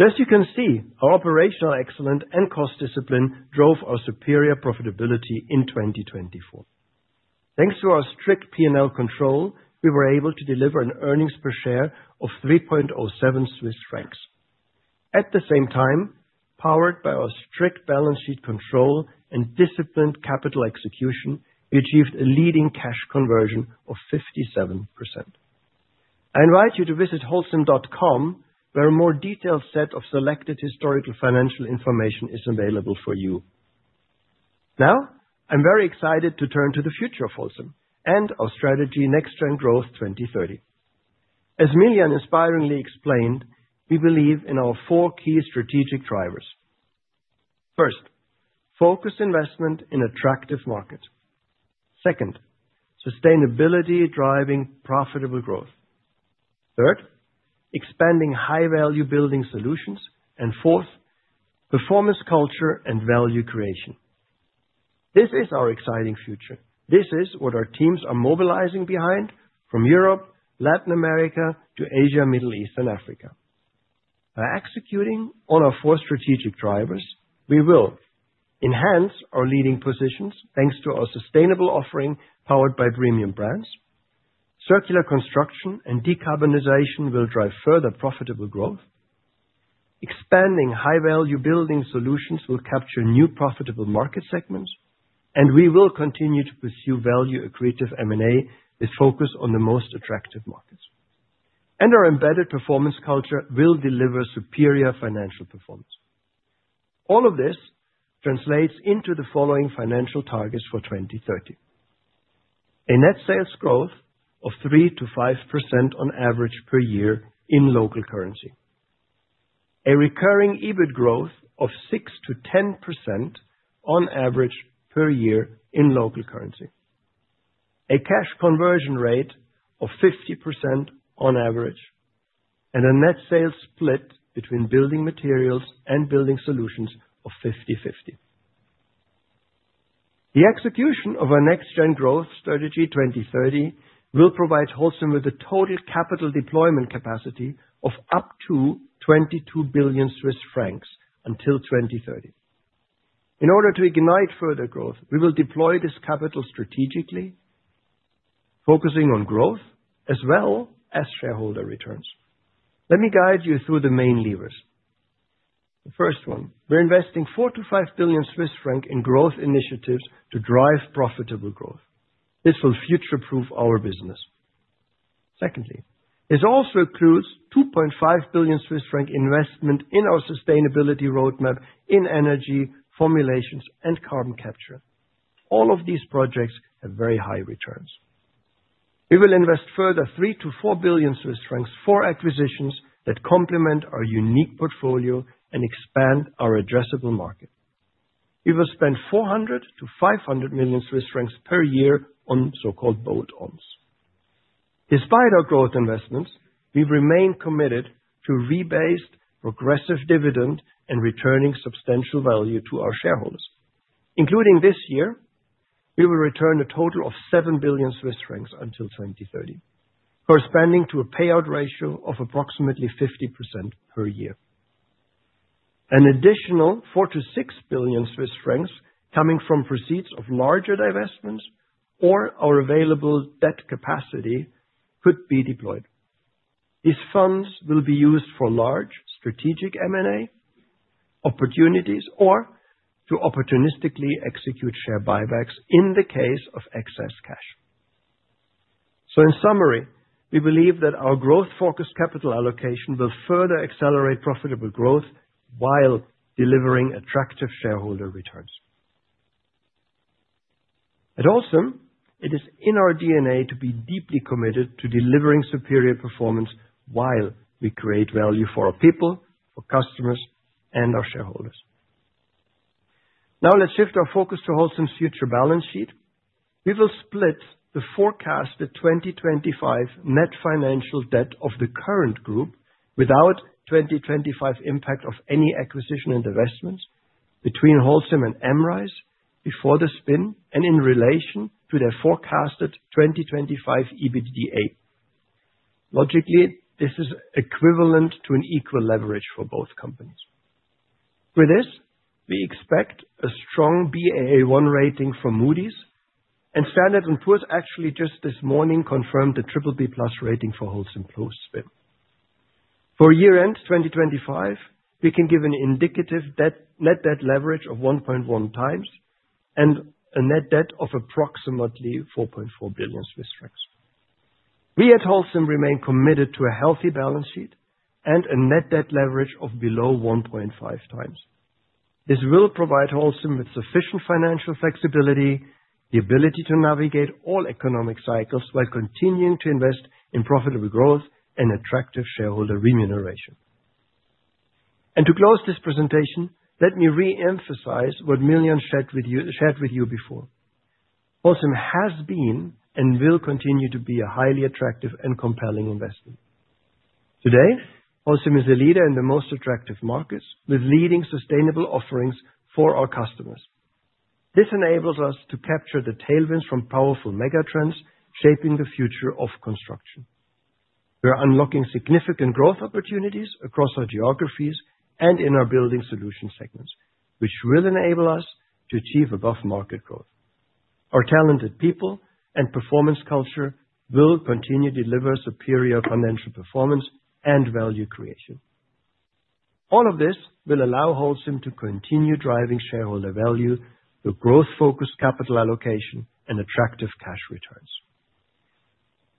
As you can see, our operational excellence and cost discipline drove our superior profitability in 2024. Thanks to our strict P&L control, we were able to deliver an earnings per share of 3.07 Swiss francs. At the same time, powered by our strict balance sheet control and disciplined capital execution, we achieved a leading cash conversion of 57%. I invite you to visit holcim.com, where a more detailed set of selected historical financial information is available for you. Now, I'm very excited to turn to the future of Holcim and our strategy NextGen Growth 2030. As Miljan inspiringly explained, we believe in our four key strategic drivers. First, focused investment in attractive markets. Second, sustainability driving profitable growth. Third, expanding high-value building solutions. Fourth, performance culture and value creation. This is our exciting future. This is what our teams are mobilizing behind from Europe, Latin America, to Asia, Middle East, and Africa. By executing on our four strategic drivers, we will enhance our leading positions thanks to our sustainable offering powered by premium brands. Circular construction and decarbonization will drive further profitable growth. Expanding high-value building solutions will capture new profitable market segments. We will continue to pursue value-accretive M&A with focus on the most attractive markets. Our embedded performance culture will deliver superior financial performance. All of this translates into the following financial targets for 2030: a net sales growth of 3%-5% on average per year in local currency, a recurring EBIT growth of 6%-10% on average per year in local currency, a cash conversion rate of 50% on average, and a net sales split between building materials and building solutions of 50/50. The execution of our NextGen Growth 2030 strategy will provide Holcim with a total capital deployment capacity of up to 22 billion Swiss francs until 2030. In order to ignite further growth, we will deploy this capital strategically, focusing on growth as well as shareholder returns. Let me guide you through the main levers. The first one, we're investing 4 billion- 5 billion Swiss francs in growth initiatives to drive profitable growth. This will future-proof our business. Secondly, this also includes 2.5 billion Swiss franc investment in our sustainability roadmap in energy formulations and carbon capture. All of these projects have very high returns. We will invest a further 3 billion-4 billion Swiss francs for acquisitions that complement our unique portfolio and expand our addressable market. We will spend 400 million-500 million Swiss francs per year on so-called bolt-ons. Despite our growth investments, we remain committed to rebased, progressive dividend, and returning substantial value to our shareholders. Including this year, we will return a total of 7 billion Swiss francs until 2030, corresponding to a payout ratio of approximately 50% per year. An additional 4 billion-6 billion Swiss francs coming from proceeds of larger divestments or our available debt capacity could be deployed. These funds will be used for large strategic M&A opportunities or to opportunistically execute share buybacks in the case of excess cash. In summary, we believe that our growth-focused capital allocation will further accelerate profitable growth while delivering attractive shareholder returns. At Holcim, it is in our DNA to be deeply committed to delivering superior performance while we create value for our people, our customers, and our shareholders. Now, let's shift our focus to Holcim's future balance sheet. We will split the forecasted 2025 net financial debt of the current group without 2025 impact of any acquisition and investments between Holcim and Amrize before the spin and in relation to their forecasted 2025 EBITDA. Logically, this is equivalent to an equal leverage for both companies. With this, we expect a strong Baa1 rating from Moody's. Standard & Poor's actually just this morning confirmed the BBB+ rating for Holcim post-spin. For year-end 2025, we can give an indicative net debt leverage of 1.1x and a net debt of approximately 4.4 billion Swiss francs. We at Holcim remain committed to a healthy balance sheet and a net debt leverage of below 1.5x. This will provide Holcim with sufficient financial flexibility, the ability to navigate all economic cycles while continuing to invest in profitable growth and attractive shareholder remuneration. To close this presentation, let me re-emphasize what Miljan shared with you before. Holcim has been and will continue to be a highly attractive and compelling investment. Today, Holcim is a leader in the most attractive markets with leading sustainable offerings for our customers. This enables us to capture the tailwinds from powerful megatrends shaping the future of construction. We are unlocking significant growth opportunities across our geographies and in our building solution segments, which will enable us to achieve above-market growth. Our talented people and performance culture will continue to deliver superior financial performance and value creation. All of this will allow Holcim to continue driving shareholder value through growth-focused capital allocation and attractive cash returns.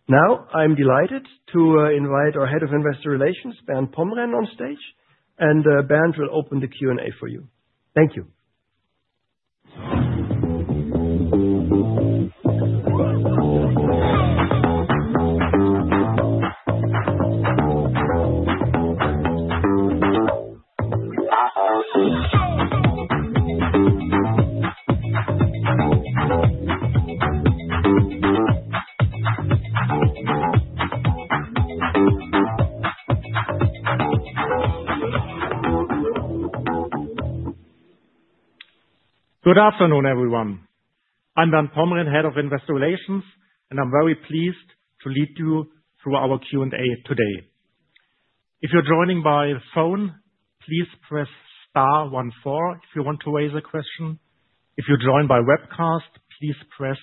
Now, I'm delighted to invite our Head of Investor Relations, Bernd Pomrehn, on stage. Bernd will open the Q&A for you. Thank you. Good afternoon, everyone. I'm Bernd Pomrehn, Head of Investor Relations, and I'm very pleased to lead you through our Q&A today. If you're joining by phone, please press star 14 if you want to raise a question. If you're joined by webcast, please press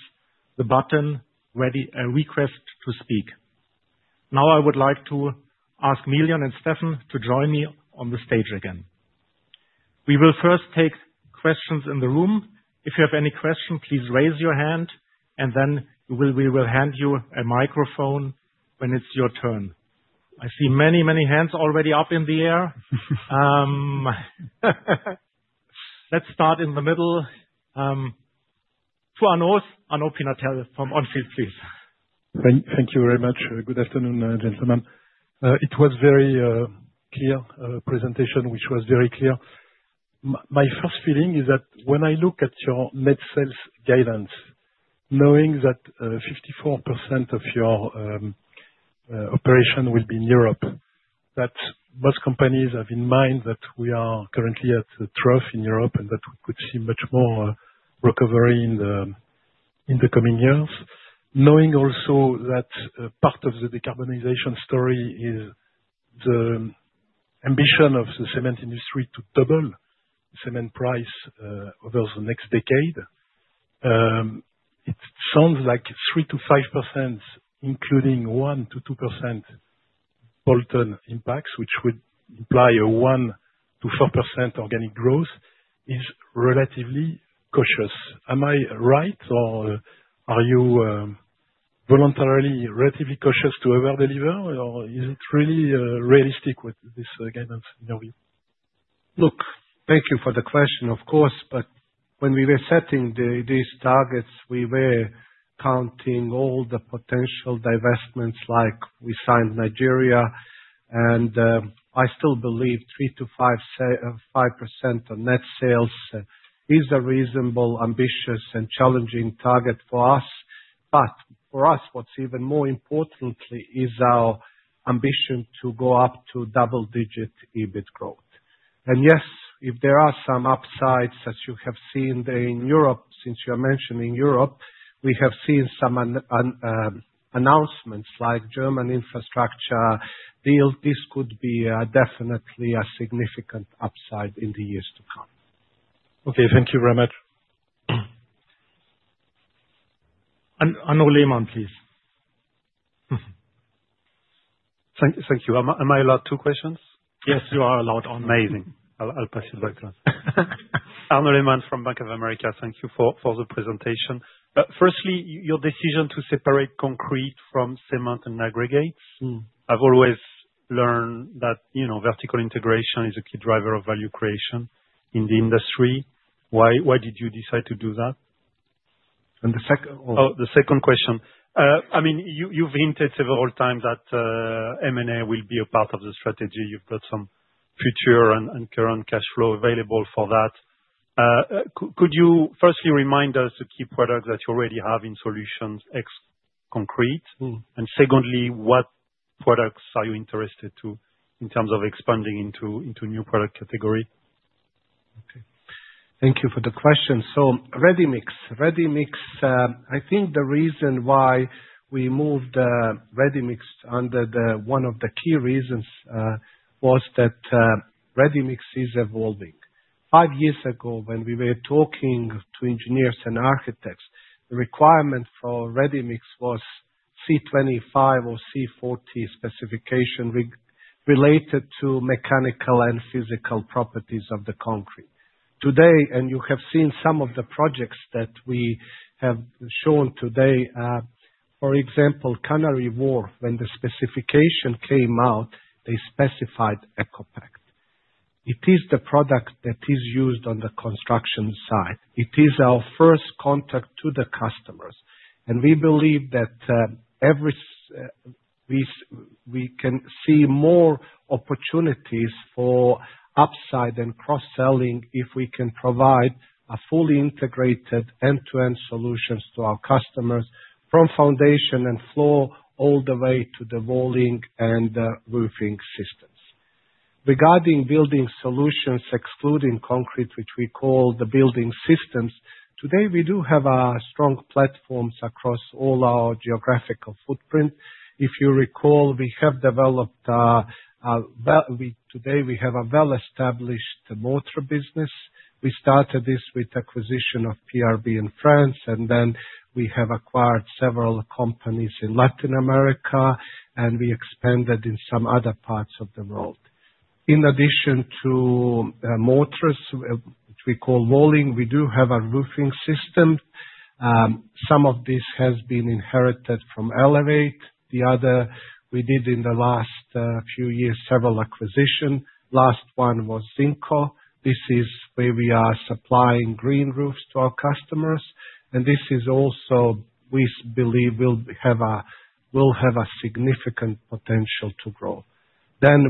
the button ready request to speak. Now, I would like to ask Miljan and Steffen to join me on the stage again. We will first take questions in the room. If you have any question, please raise your hand, and then we will hand you a microphone when it's your turn. I see many, many hands already up in the air. Let's start in the middle. To Arnaud Pinatel from On Field, please. Thank you very much. Good afternoon, gentlemen. It was a very clear presentation, which was very clear. My first feeling is that when I look at your net sales guidance, knowing that 54% of your operation will be in Europe, that most companies have in mind that we are currently at a trough in Europe and that we could see much more recovery in the coming years. Knowing also that part of the decarbonization story is the ambition of the cement industry to double cement price over the next decade, it sounds like 3%-5%, including 1%-2% bolt-on impacts, which would imply a 1%-4% organic growth, is relatively cautious. Am I right, or are you voluntarily relatively cautious to over-deliver, or is it really realistic with this guidance in your view? Look, thank you for the question, of course, but when we were setting these targets, we were counting all the potential divestments, like we signed Nigeria. I still believe 3%-5% on net sales is a reasonable, ambitious, and challenging target for us. For us, what's even more important is our ambition to go up to double-digit EBIT growth. Yes, if there are some upsides, as you have seen in Europe, since you are mentioning Europe, we have seen some announcements like the German infrastructure deal. This could be definitely a significant upside in the years to come. Okay, thank you very much. Arnaud Lehmann, please. Thank you. Am I allowed two questions? Yes, you are allowed on. Amazing. I'll pass you back to us. Arnaud Lehmann from Bank of America, thank you for the presentation. Firstly, your decision to separate concrete from cement and aggregates. I've always learned that vertical integration is a key driver of value creation in the industry. Why did you decide to do that? The second question. I mean, you've hinted several times that M&A will be a part of the strategy. You've got some future and current cash flow available for that. Could you firstly remind us the key products that you already have in solutions ex-concrete? Secondly, what products are you interested in terms of expanding into new product category? Thank you for the question. ready-mix. I think the reason why we moved ready-mix under one of the key reasons was that ready-mix is evolving. Five years ago, when we were talking to engineers and architects, the requirement for ready-mix was C25 or C40 specification related to mechanical and physical properties of the concrete. Today, and you have seen some of the projects that we have shown today, for example, Canary Wharf, when the specification came out, they specified ECOPact. It is the product that is used on the construction site. It is our first contact to the customers. We believe that we can see more opportunities for upside and cross-selling if we can provide fully integrated end-to-end solutions to our customers from foundation and floor all the way to the walling and roofing systems. Regarding building solutions, excluding concrete, which we call the building systems, today we do have strong platforms across all our geographical footprint. If you recall, we have developed today we have a well-established mortar business. We started this with acquisition of PRB in France, and then we have acquired several companies in Latin America, and we expanded in some other parts of the world. In addition to mortars, which we call walling, we do have a roofing system. Some of this has been inherited from Elevate. The other we did in the last few years, several acquisitions. Last one was ZinCo. This is where we are supplying green roofs to our customers. This is also, we believe, will have a significant potential to grow.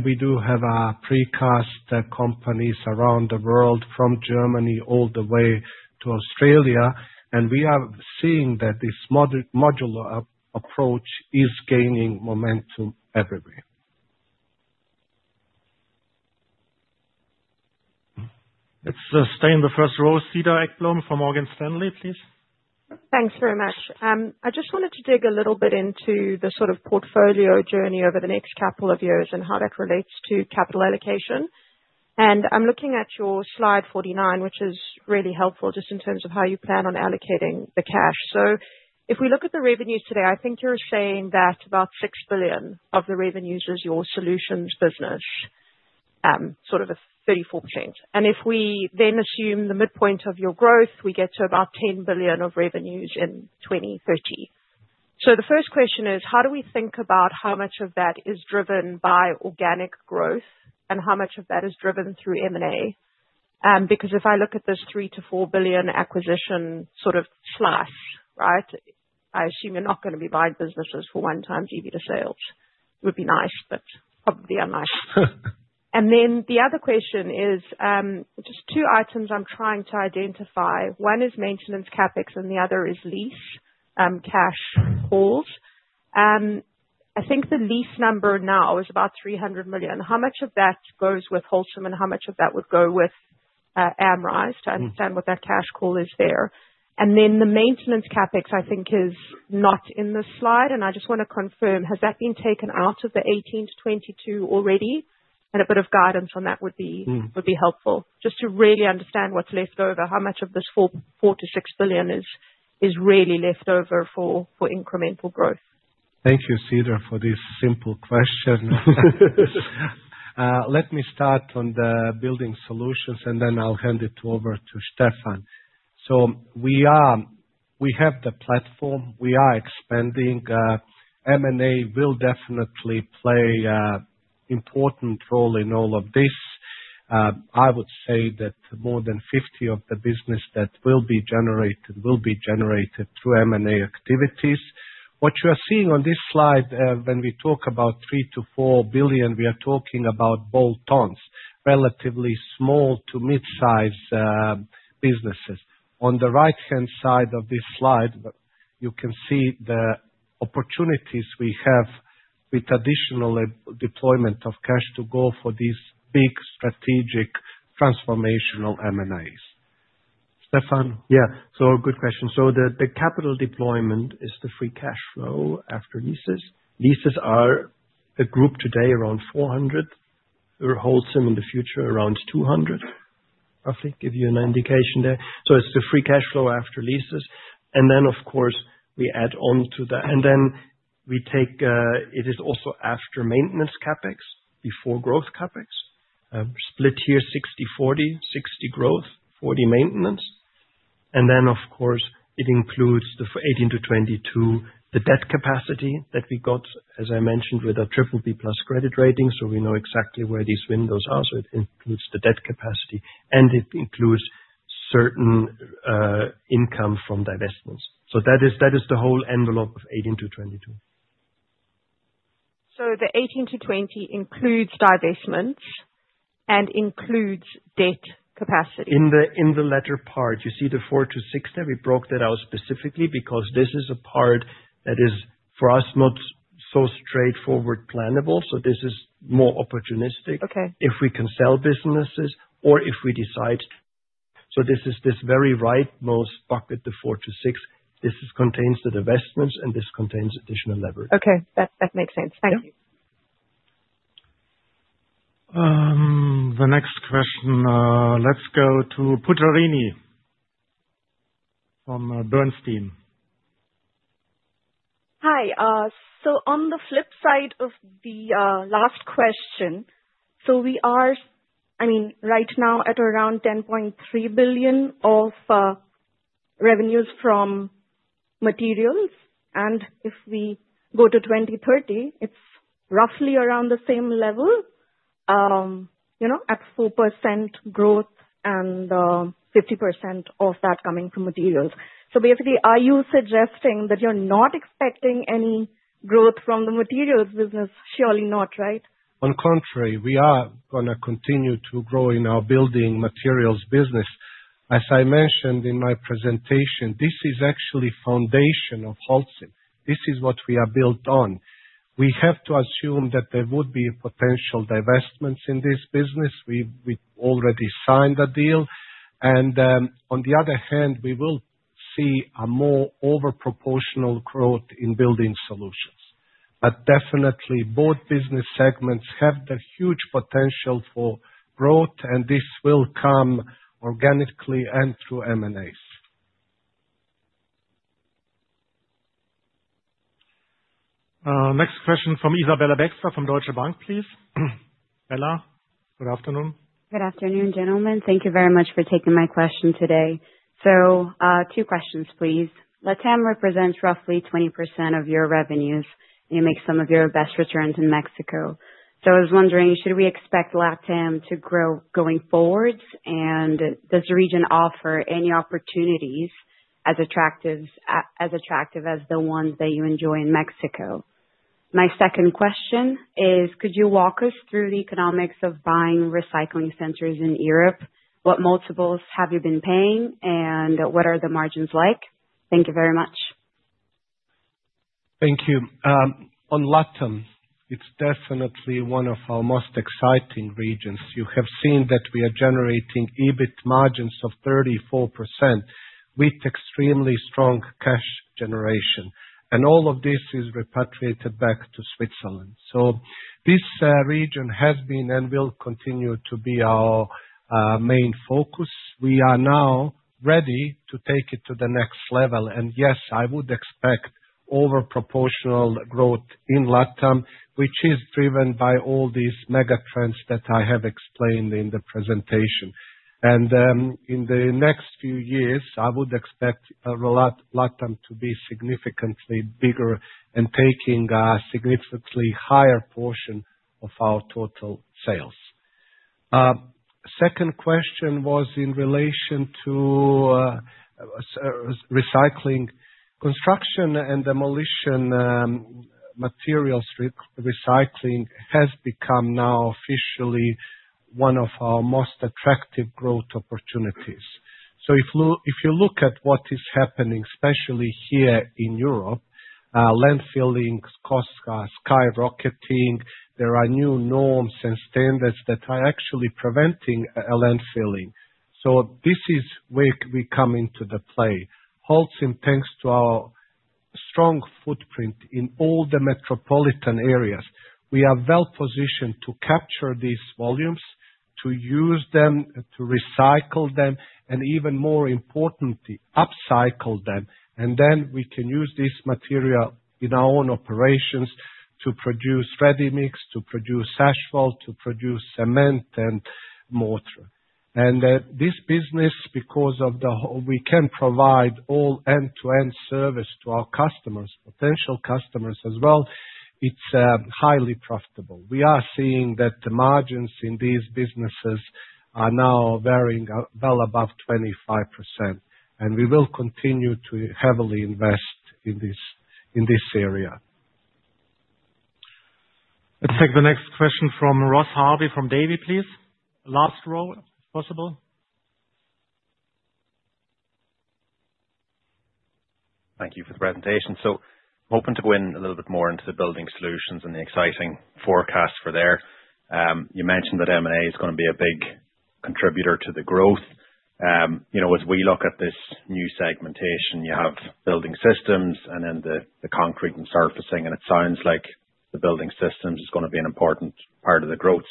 We do have precast companies around the world from Germany all the way to Australia. We are seeing that this modular approach is gaining momentum everywhere. Let's stay in the first row. Cedar Ekblom from Morgan Stanley, please. Thanks very much. I just wanted to dig a little bit into the sort of portfolio journey over the next couple of years and how that relates to capital allocation. I'm looking at your slide 49, which is really helpful just in terms of how you plan on allocating the cash. If we look at the revenues today, I think you're saying that about 6 billion of the revenues is your solutions business, sort of 34%. If we then assume the midpoint of your growth, we get to about 10 billion of revenues in 2030. The first question is, how do we think about how much of that is driven by organic growth and how much of that is driven through M&A? Because if I look at this 3 billion-4 billion acquisition sort of slice, right, I assume you're not going to be buying businesses for 1x EBITDA sales. It would be nice, but probably unlikely. The other question is just two items I'm trying to identify. One is maintenance CapEx, and the other is lease cash calls. I think the lease number now is about 300 million. How much of that goes with Holcim, and how much of that would go with Amrize to understand what that cash call is there? Then the maintenance CapEx, I think, is not in the slide. I just want to confirm, has that been taken out of the 2018-2022 already? A bit of guidance on that would be helpful just to really understand what's left over, how much of this 4 billion-6 billion is really left over for incremental growth. Thank you, Cedar, for this simple question. Let me start on the building solutions, and then I'll hand it over to Steffen. We have the platform. We are expanding. M&A will definitely play an important role in all of this. I would say that more than 50% of the business that will be generated will be generated through M&A activities. What you are seeing on this slide, when we talk about 3 billion-4 billion, we are talking about bolt-ons, relatively small to mid-size businesses. On the right-hand side of this slide, you can see the opportunities we have with additional deployment of cash to go for these big strategic transformational M&As. Steffen? Yeah, good question. The capital deployment is the free cash flow after leases. Leases are a group today around 400 million. We are Holcim in the future around 200 million, roughly, to give you an indication there. It is the free cash flow after leases. Of course, we add on to the, and then we take it is also after maintenance CapEx, before growth CapEx. Split here 60/40, 60 growth, 40 maintenance. Of course, it includes the 2018-2022, the debt capacity that we got, as I mentioned, with our BBB+ credit rating. We know exactly where these windows are. It includes the debt capacity, and it includes certain income from divestments. That is the whole envelope of 2018-2022. The 2018-2020 includes divestments and includes debt capacity. In the latter part, you see the 4 billion-6 billion there. We broke that out specifically because this is a part that is, for us, not so straightforward plannable. This is more opportunistic if we can sell businesses or if we decide. This is this very rightmost bucket, the 4 billion-6 billion. This contains the divestments, and this contains additional leverage. Okay, that makes sense. Thank you. The next question, let's go to Pujarini from Bernstein. Hi. On the flip side of the last question, we are, I mean, right now at around 10.3 billion of revenues from materials. If we go to 2030, it is roughly around the same level at 4% growth and 50% of that coming from materials. Basically, are you suggesting that you're not expecting any growth from the materials business? Surely not, right? On the contrary, we are going to continue to grow in our building materials business. As I mentioned in my presentation, this is actually the foundation of Holcim. This is what we are built on. We have to assume that there would be potential divestments in this business. We already signed a deal. On the other hand, we will see a more overproportional growth in building solutions. Definitely, both business segments have the huge potential for growth, and this will come organically and through M&As. Next question from Isabella Baxter from Deutsche Bank, please. Bella, good afternoon. Good afternoon, gentlemen. Thank you very much for taking my question today. Two questions, please. Latin America represents roughly 20% of your revenues, and you make some of your best returns in Mexico. I was wondering, should we expect LatAm to grow going forward? Does the region offer any opportunities as attractive as the ones that you enjoy in Mexico? My second question is, could you walk us through the economics of buying recycling centers in Europe? What multiples have you been paying, and what are the margins like? Thank you very much. Thank you. On LatAm, it's definitely one of our most exciting regions. You have seen that we are generating EBIT margins of 34% with extremely strong cash generation. All of this is repatriated back to Switzerland. This region has been and will continue to be our main focus. We are now ready to take it to the next level. Yes, I would expect overproportional growth in LatAm, which is driven by all these mega trends that I have explained in the presentation. In the next few years, I would expect LatAm to be significantly bigger and taking a significantly higher portion of our total sales. The second question was in relation to recycling construction and demolition materials. Recycling has become now officially one of our most attractive growth opportunities. If you look at what is happening, especially here in Europe, landfilling costs are skyrocketing. There are new norms and standards that are actually preventing landfilling. This is where we come into the play. Holcim, thanks to our strong footprint in all the metropolitan areas, we are well positioned to capture these volumes, to use them, to recycle them, and even more importantly, upcycle them. We can use this material in our own operations to produce ready-mix, to produce asphalt, to produce cement, and mortar. This business, because we can provide all end-to-end service to our customers, potential customers as well, is highly profitable. We are seeing that the margins in these businesses are now varying well above 25%. We will continue to heavily invest in this area. Let's take the next question from Ross Harvey from Davy, please. Last row, if possible. Thank you for the presentation. Hoping to go in a little bit more into the building solutions and the exciting forecasts for there. You mentioned that M&A is going to be a big contributor to the growth. As we look at this new segmentation, you have building systems and then the concrete and surfacing. It sounds like the building systems is going to be an important part of the growth.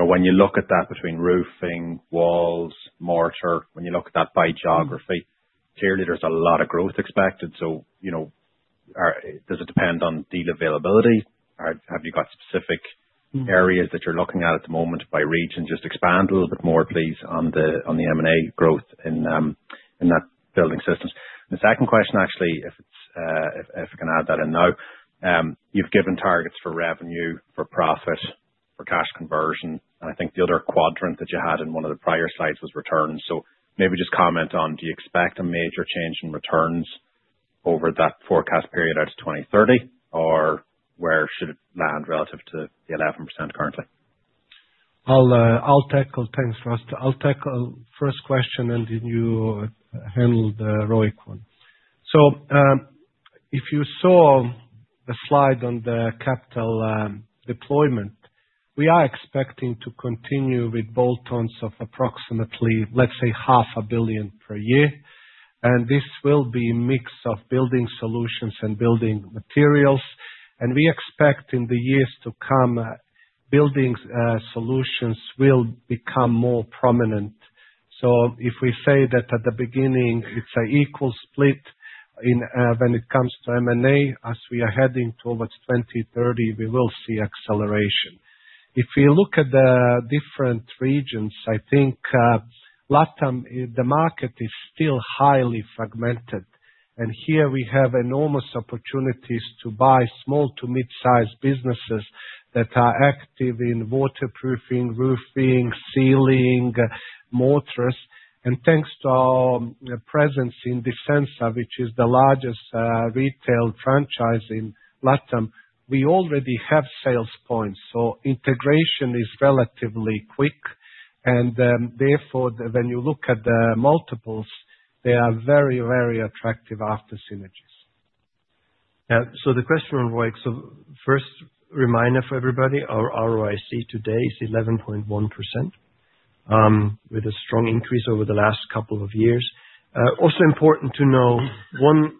When you look at that between roofing, walls, mortar, when you look at that by geography, clearly there's a lot of growth expected. Does it depend on deal availability? Have you got specific areas that you're looking at at the moment by region? Just expand a little bit more, please, on the M&A growth in that building systems. The second question, actually, if I can add that in now, you've given targets for revenue, for profit, for cash conversion. I think the other quadrant that you had in one of the prior slides was returns. Maybe just comment on, do you expect a major change in returns over that forecast period out to 2030, or where should it land relative to the 11% currently? I'll tackle things first. I'll tackle first question, and then you handle the ROIC one. If you saw the slide on the capital deployment, we are expecting to continue with bolt-ons of approximately 0.5 billion per year. This will be a mix of building solutions and building materials. We expect in the years to come, building solutions will become more prominent. If we say that at the beginning, it is an equal split when it comes to M&A, as we are heading towards 2030, we will see acceleration. If we look at the different regions, I think Latin America, the market is still highly fragmented. Here we have enormous opportunities to buy small to mid-size businesses that are active in waterproofing, roofing, sealing, mortars. Thanks to our presence in Disensa, which is the largest retail franchise in LatAm, we already have sales points. Integration is relatively quick. Therefore, when you look at the multiples, they are very, very attractive after synergies. The question on ROIC, first reminder for everybody, our ROIC today is 11.1% with a strong increase over the last couple of years. Also important to know, one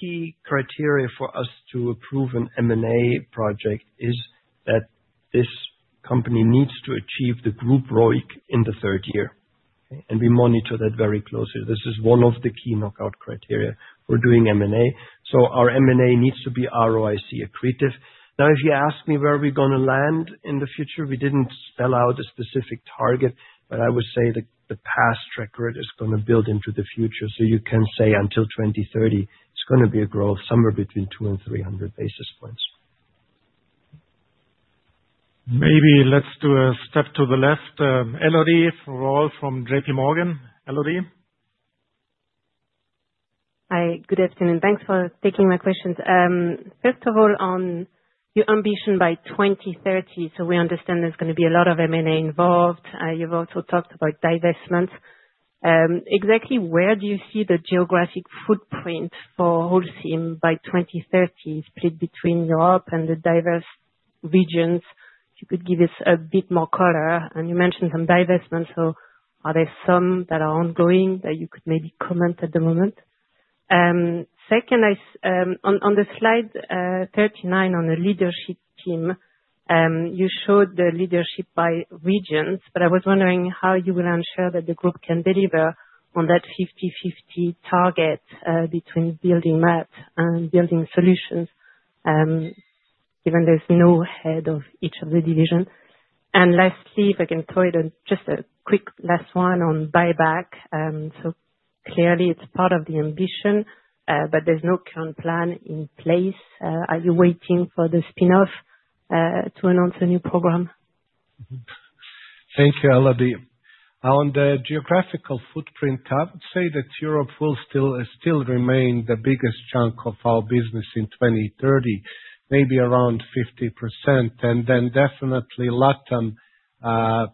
key criteria for us to approve an M&A project is that this company needs to achieve the group ROIC in the third year. We monitor that very closely. This is one of the key knockout criteria for doing M&A. Our M&A needs to be ROIC accretive. Now, if you ask me where we're going to land in the future, we did not spell out a specific target, but I would say the past record is going to build into the future. You can say until 2030, it is going to be a growth somewhere between 200 basis points and 300 basis points. Maybe let's do a step to the left. Elodie Rall from JPMorgan, Elodie. Hi, good afternoon. Thanks for taking my questions. First of all, on your ambition by 2030, we understand there's going to be a lot of M&A involved. You've also talked about divestments. Exactly where do you see the geographic footprint for Holcim by 2030 split between Europe and the diverse regions? If you could give us a bit more color. You mentioned some divestments, so are there some that are ongoing that you could maybe comment at the moment? Second, on slide 39 on the leadership team, you showed the leadership by regions, but I was wondering how you will ensure that the group can deliver on that 50/50 target between building materials and building solutions, given there's no head of each of the divisions. Lastly, if I can throw it on just a quick last one on buyback. Clearly, it's part of the ambition, but there's no current plan in place. Are you waiting for the spinoff to announce a new program? Thank you, Elodie. On the geographical footprint, I would say that Europe will still remain the biggest chunk of our business in 2030, maybe around 50%. Definitely, the LatAm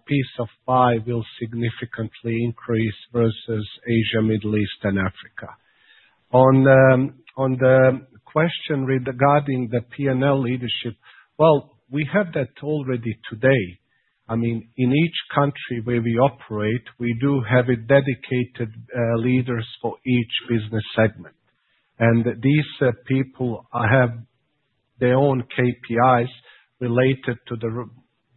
piece of pie will significantly increase versus Asia, Middle East, and Africa. On the question regarding the P&L leadership, we have that already today. I mean, in each country where we operate, we do have dedicated leaders for each business segment. These people have their own KPIs related to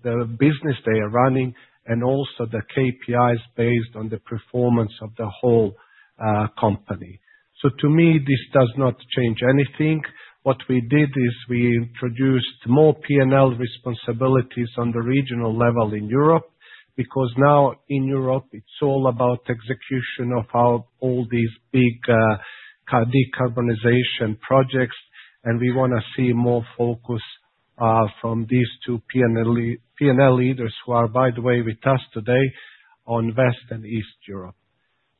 the business they are running and also the KPIs based on the performance of the whole company. To me, this does not change anything. What we did is we introduced more P&L responsibilities on the regional level in Europe because now in Europe, it's all about execution of all these big decarbonization projects. We want to see more focus from these two P&L leaders who are, by the way, with us today on West and East Europe.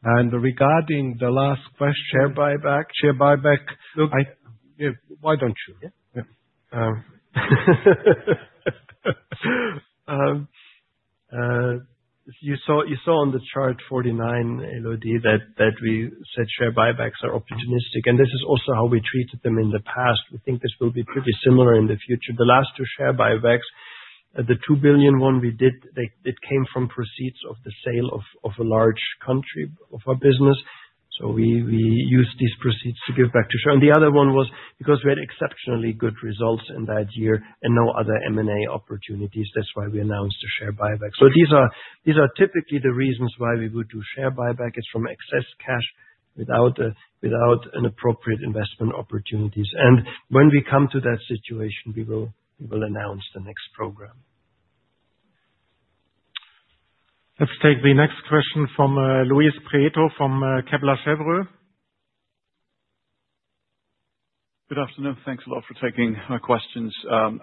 Regarding the last question, share buyback. Share buyback. Why don't you? You saw on the chart 49, Elodie, that we said share buybacks are opportunistic. This is also how we treated them in the past. We think this will be pretty similar in the future. The last two share buybacks, the 2 billion one we did, it came from proceeds of the sale of a large country of our business. We used these proceeds to give back to share. The other one was because we had exceptionally good results in that year and no other M&A opportunities. That is why we announced the share buyback. These are typically the reasons why we would do share buyback. It is from excess cash without inappropriate investment opportunities. When we come to that situation, we will announce the next program. Let's take the next question from Luis Prieto from Kepler Cheuvreux. Good afternoon. Thanks a lot for taking my questions.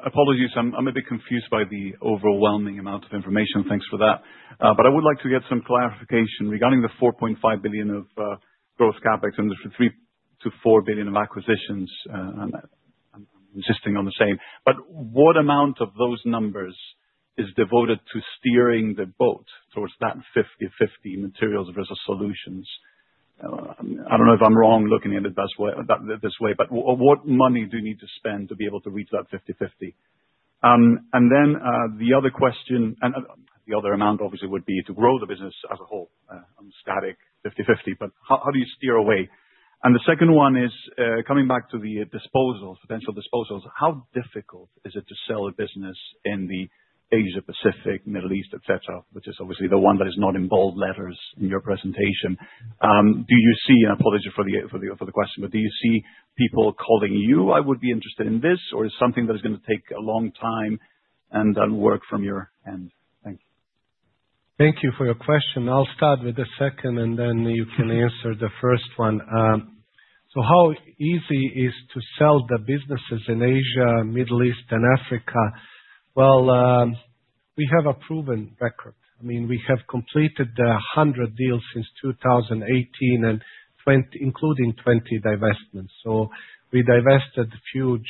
Apologies, I'm a bit confused by the overwhelming amount of information. Thanks for that. I would like to get some clarification regarding the 4.5 billion of gross CapEx and the 3 billion-4 billion of acquisitions and insisting on the same. What amount of those numbers is devoted to steering the boat towards that 50/50 materials versus solutions? I don't know if I'm wrong looking at it this way, but what money do you need to spend to be able to reach that 50/50? Then the other question, and the other amount obviously would be to grow the business as a whole. I'm static 50/50, but how do you steer away? The second one is coming back to the disposals, potential disposals. How difficult is it to sell a business in the Asia-Pacific, Middle East, etc., which is obviously the one that is not in bold letters in your presentation? Do you see, and apologies for the question, but do you see people calling you, "I would be interested in this," or is it something that is going to take a long time and work from your end? Thank you. Thank you for your question. I'll start with the second, and then you can answer the first one. How easy is it to sell the businesses in Asia, Middle East, and Africa? We have a proven record. I mean, we have completed 100 deals since 2018, including 20 divestments. We divested a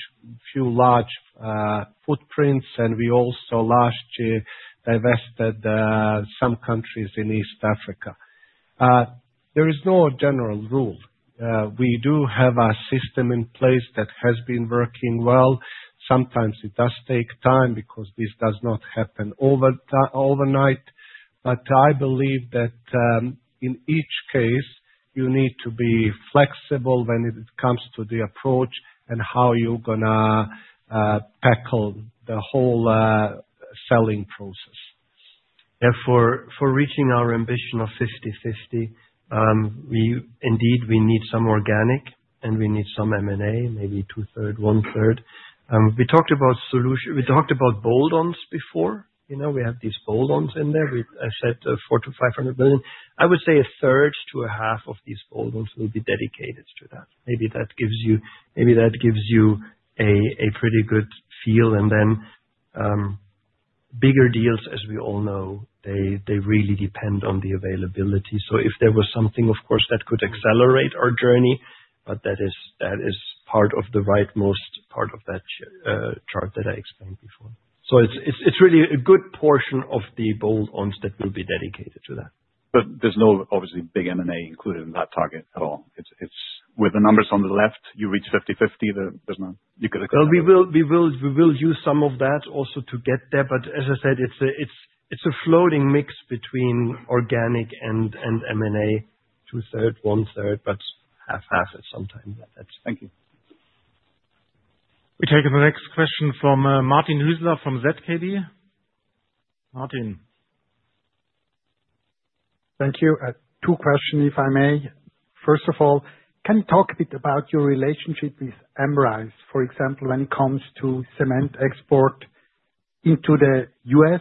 few large footprints, and we also last year divested some countries in East Africa. There is no general rule. We do have a system in place that has been working well. Sometimes it does take time because this does not happen overnight. I believe that in each case, you need to be flexible when it comes to the approach and how you're going to tackle the whole selling process. Therefore, for reaching our ambition of 50/50, indeed, we need some organic, and we need some M&A, maybe 2/3, 1/3. We talked about solutions. We talked about bolt-ons before. We have these bolt-ons in there. I said 400 million-500 million. I would say 1/3 to 1/2 of these bolt-ons will be dedicated to that. Maybe that gives you a pretty good feel. Bigger deals, as we all know, really depend on the availability. If there was something, of course, that could accelerate our journey, that is part of the rightmost part of that chart that I explained before. It is really a good portion of the bolt-ons that will be dedicated to that. There is no obviously big M&A included in that target at all. With the numbers on the left, you reach 50/50. You could explain. We will use some of that also to get there. As I said, it is a floating mix between organic and M&A, two-thirds, one-third, but half-half at some time. Thank you. We take the next question from Martin Hüsler from Zürcher Kantonalbank. Martin. Thank you. Two questions, if I may. First of all, can you talk a bit about your relationship with Amrize, for example, when it comes to cement export into the U.S.?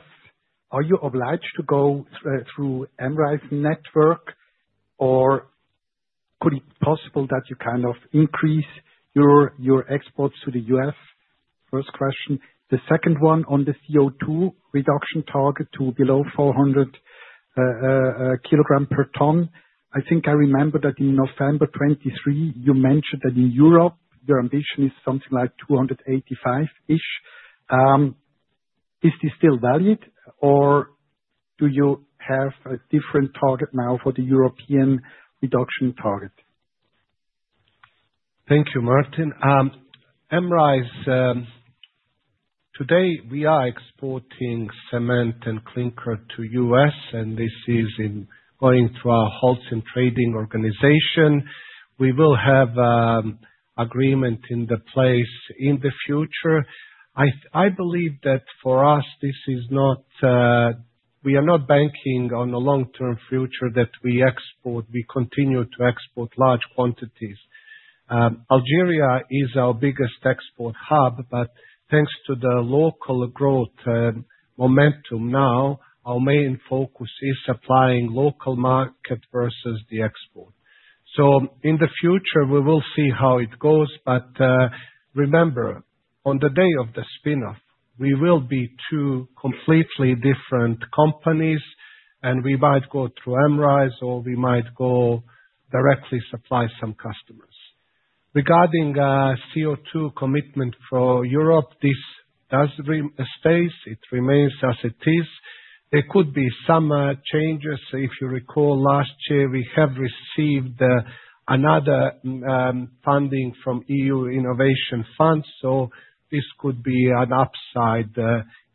Are you obliged to go through Amrize's network, or could it be possible that you kind of increase your exports to the U.S.? First question. The second one on the CO2 reduction target to below 400 kg per ton. I think I remember that in November 2023, you mentioned that in Europe, your ambition is something like 285-ish. Is this still valid, or do you have a different target now for the European reduction target? Thank you, Martin. Amrize, today, we are exporting cement and clinker to the US, and this is going through our Holcim Trading organization. We will have an agreement in place in the future. I believe that for us, this is not we are not banking on a long-term future that we export. We continue to export large quantities. Algeria is our biggest export hub, but thanks to the local growth momentum now, our main focus is supplying local market versus the export. In the future, we will see how it goes. Remember, on the day of the spinoff, we will be two completely different companies, and we might go through Amrize, or we might go directly supply some customers. Regarding CO2 commitment for Europe, this does stay. It remains as it is. There could be some changes. If you recall, last year, we have received another funding from the EU Innovation Fund. This could be an upside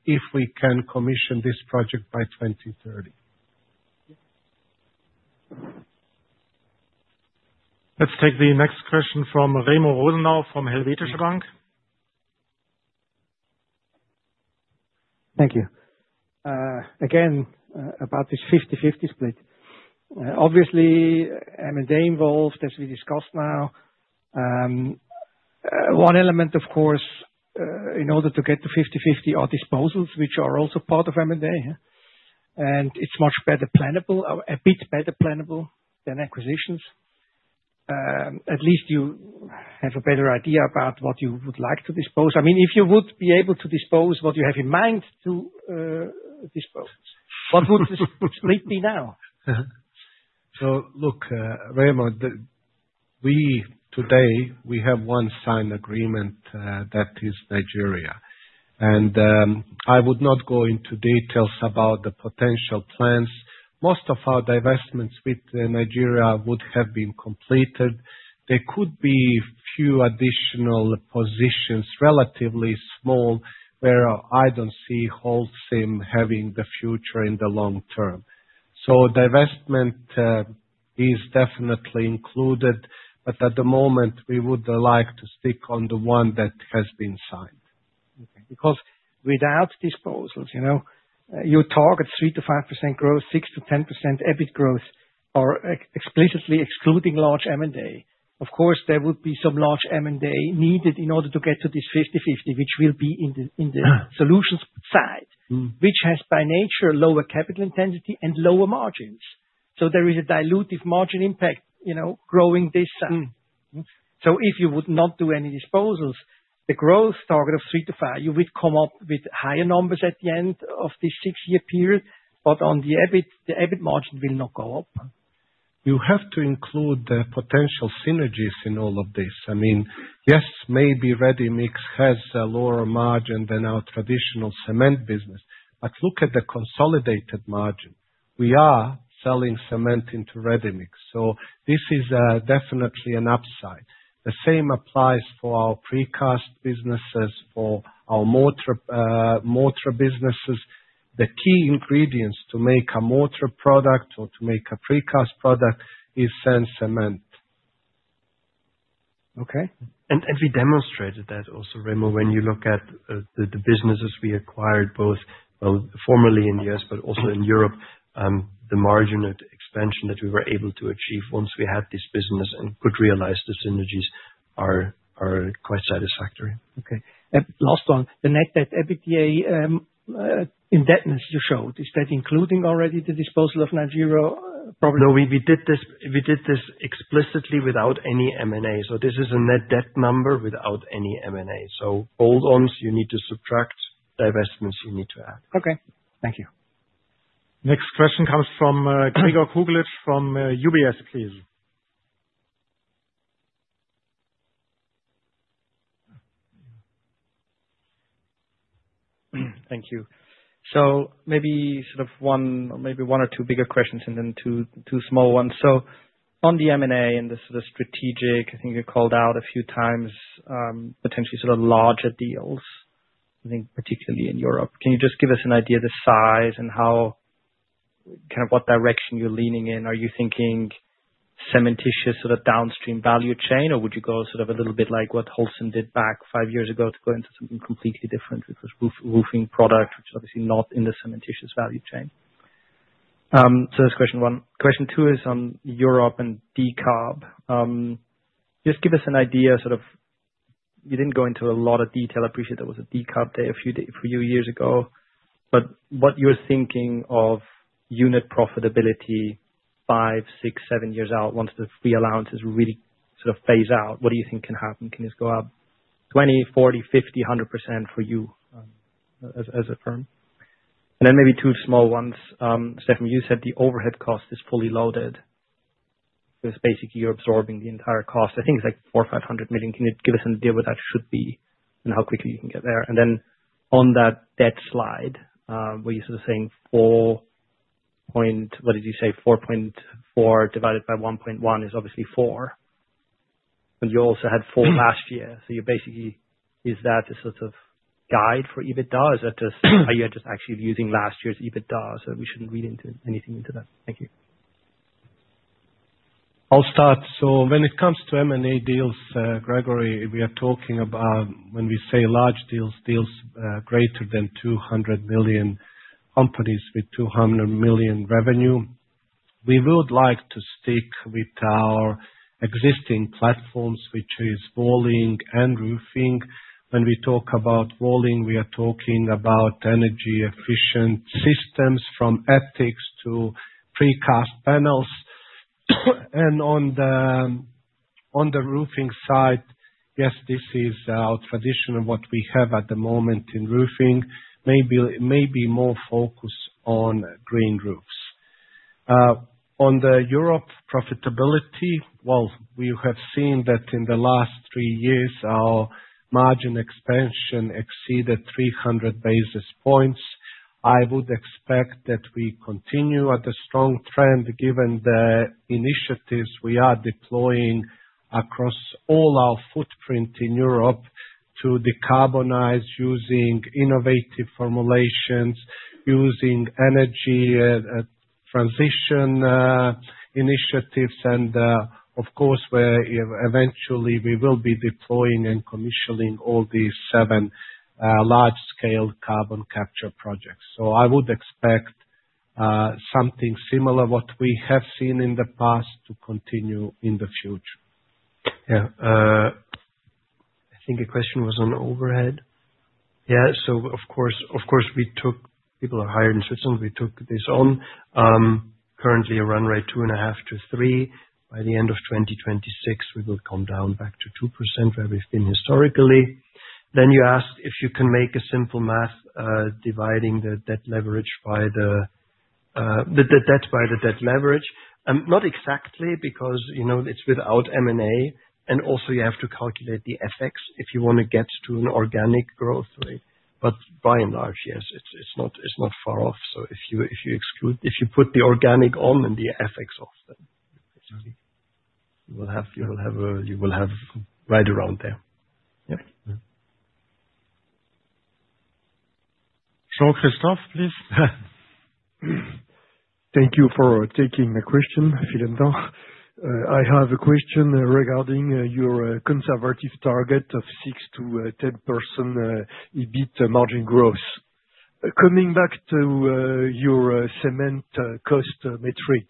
if we can commission this project by 2030. Let's take the next question from Remo Rosenau from Helvetische Bank. Thank you. Again, about this 50/50 split. Obviously, M&A involved, as we discussed now. One element, of course, in order to get to 50/50 are disposals, which are also part of M&A. It is much better plannable, a bit better plannable than acquisitions. At least you have a better idea about what you would like to dispose. I mean, if you would be able to dispose what you have in mind to dispose, what would the split be now? Look, Remo, today, we have one signed agreement that is Nigeria. I would not go into details about the potential plans. Most of our divestments with Nigeria would have been completed. There could be a few additional positions relatively small where I do not see Holcim having the future in the long term. Divestment is definitely included, but at the moment, we would like to stick on the one that has been signed. Because without disposals, your target 3%-5% growth, 6%-10% EBIT growth are explicitly excluding large M&A. Of course, there would be some large M&A needed in order to get to this 50/50, which will be in the solutions side, which has by nature lower capital intensity and lower margins. There is a dilutive margin impact growing this side. If you would not do any disposals, the growth target of 3%-5%, you would come up with higher numbers at the end of this six-year period, but on the EBIT, the EBIT margin will not go up. You have to include the potential synergies in all of this. I mean, yes, maybe ready-mix has a lower margin than our traditional cement business, but look at the consolidated margin. We are selling cement into ready-mix. This is definitely an upside. The same applies for our precast businesses, for our mortar businesses. The key ingredients to make a mortar product or to make a precast product is sand cement. Okay. We demonstrated that also, Remo, when you look at the businesses we acquired both formerly in the US, but also in Europe, the margin of expansion that we were able to achieve once we had this business and could realize the synergies are quite satisfactory. Okay. Last one, the net debt EBITDA indebtedness you showed, is that including already the disposal of Nigeria? No, we did this explicitly without any M&A. This is a net debt number without any M&A. Hold-ons, you need to subtract; divestments, you need to add. Okay. Thank you. Next question comes from Gregor Kuglitsch from UBS, please. Thank you. Maybe sort of one or two bigger questions and then two small ones. On the M&A and the strategic, I think you called out a few times potentially sort of larger deals, I think particularly in Europe. Can you just give us an idea of the size and kind of what direction you're leaning in? Are you thinking cementitious sort of downstream value chain, or would you go sort of a little bit like what Holcim did back five years ago to go into something completely different with roofing product, which is obviously not in the cementitious value chain? That's question one. Question two is on Europe and DCAB. Just give us an idea, sort of, you did not go into a lot of detail. I appreciate there was a DCAB day a few years ago, but what you are thinking of unit profitability five, six, seven years out once the reallowances really sort of phase out, what do you think can happen? Can this go up 20%, 40%, 50%, 100% for you as a firm? Maybe two small ones. Steffen, you said the overhead cost is fully loaded. It is basically you are absorbing the entire cost. I think it is like 400 million-500 million. Can you give us an idea what that should be and how quickly you can get there? On that debt slide, were you sort of saying 4 point, what did you say? 4.4 divided by 1.1 is obviously 4. You also had 4 last year. Is that a sort of guide for EBITDA or are you just actually using last year's EBITDA? We should not read anything into that. Thank you. I'll start. When it comes to M&A deals, Gregory, we are talking about, when we say large deals, deals greater than 200 million, companies with 200 million revenue. We would like to stick with our existing platforms, which is walling and roofing. When we talk about walling, we are talking about energy-efficient systems from attics to precast panels. On the roofing side, yes, this is our tradition of what we have at the moment in roofing, maybe more focus on green roofs. On the Europe profitability, we have seen that in the last three years, our margin expansion exceeded 300 basis points. I would expect that we continue at a strong trend given the initiatives we are deploying across all our footprint in Europe to decarbonize using innovative formulations, using energy transition initiatives. Of course, eventually, we will be deploying and commissioning all these seven large-scale carbon capture projects. I would expect something similar to what we have seen in the past to continue in the future. Yeah. I think a question was on overhead. Yeah. Of course, we took people are hired in Switzerland. We took this on. Currently, a run rate of 2.5%-3%. By the end of 2026, we will come down back to 2% where we've been historically. You asked if you can make a simple math dividing the debt leverage by the debt by the debt leverage. Not exactly because it's without M&A. You have to calculate the FX if you want to get to an organic growth rate. By and large, yes, it's not far off. If you exclude, if you put the organic on and the FX off. Then you will have right around there. Yep. Jean-Christophe, please. Thank you for taking my question, Philandon. I have a question regarding your conservative target of 6%-10% EBIT margin growth. Coming back to your cement cost metric,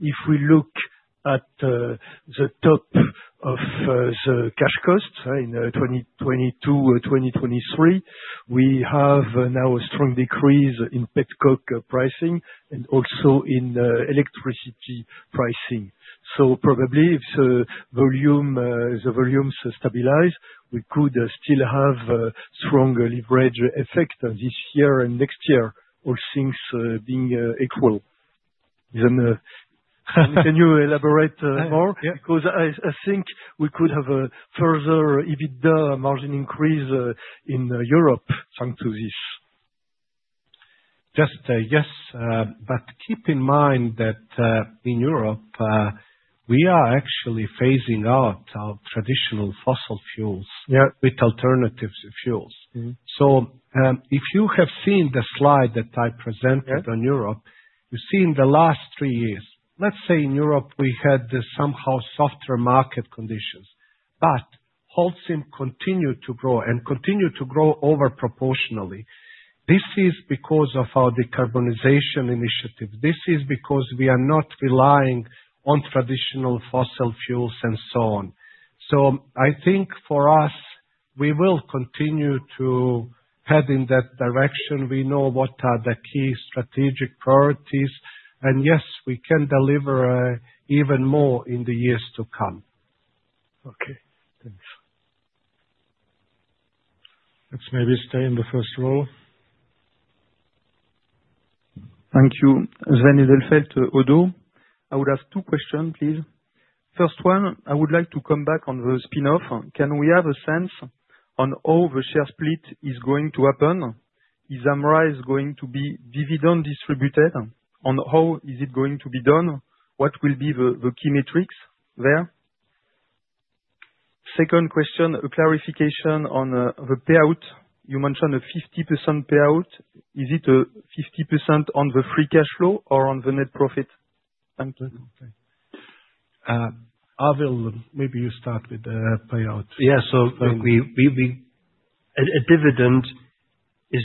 if we look at the top of the cash cost in 2022, 2023, we have now a strong decrease in petcoce pricing and also in electricity pricing. Probably if the volumes stabilize, we could still have a strong leverage effect this year and next year, all things being equal. Can you elaborate more? I think we could have a further EBITDA margin increase in Europe thanks to this. Just a yes, but keep in mind that in Europe, we are actually phasing out our traditional fossil fuels with alternative fuels. If you have seen the slide that I presented on Europe, you see in the last three years, let's say in Europe, we had somehow softer market conditions, but Holcim continued to grow and continued to grow overproportionally. This is because of our decarbonization initiative. This is because we are not relying on traditional fossil fuels and so on. I think for us, we will continue to head in that direction. We know what are the key strategic priorities. Yes, we can deliver even more in the years to come. Okay. Thanks. Let's maybe stay in the first row. Thank you. Sven Edelfelt, ODDO. I would have two questions, please. First one, I would like to come back on the spinoff. Can we have a sense on how the share split is going to happen? Is Amrize going to be dividend distributed? On how is it going to be done? What will be the key metrics there? Second question, a clarification on the payout. You mentioned a 50% payout. Is it 50% on the free cash flow or on the net profit? Thank you. Okay. I will, maybe you start with the payout. Yeah. So a dividend is,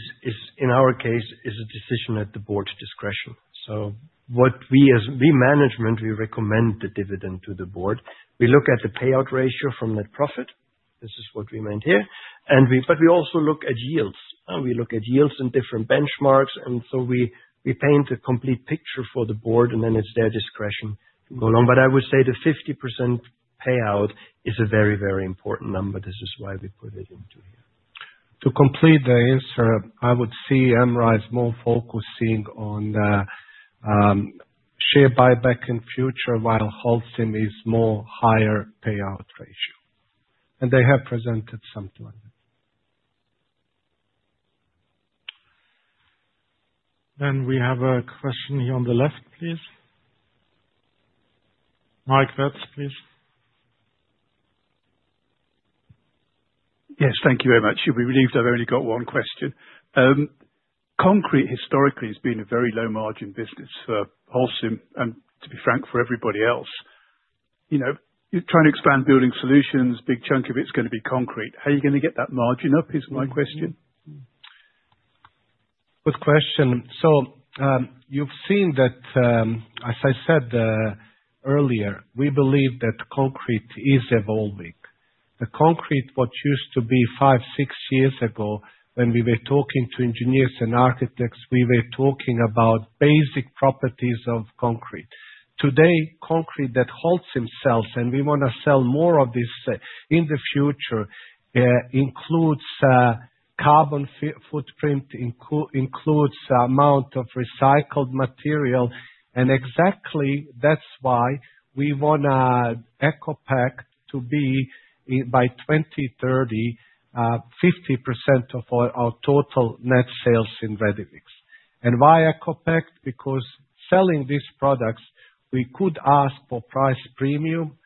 in our case, a decision at the board's discretion. As management, we recommend the dividend to the board. We look at the payout ratio from net profit. This is what we meant here. We also look at yields. We look at yields in different benchmarks. We paint a complete picture for the board, and then it's their discretion to go along. I would say the 50% payout is a very, very important number. This is why we put it into here. To complete the answer, I would see Amrize more focusing on share buyback in future while Holcim is more higher payout ratio. They have presented something on that. We have a question here on the left, please. Mike Betts, please. Yes. Thank you very much. You'll be relieved I've only got one question. Concrete historically has been a very low-margin business for Holcim and, to be frank, for everybody else. You're trying to expand building solutions. Big chunk of it's going to be concrete. How are you going to get that margin up is my question. Good question. You've seen that, as I said earlier, we believe that concrete is evolving. The concrete what used to be five, six years ago, when we were talking to engineers and architects, we were talking about basic properties of concrete. Today, concrete that holds themselves, and we want to sell more of this in the future, includes carbon footprint, includes amount of recycled material. Exactly that's why we want ECOPact to be by 2030, 50% of our total net sales in ready-mix. Why ECOPact? Because selling these products, we could ask for price premium.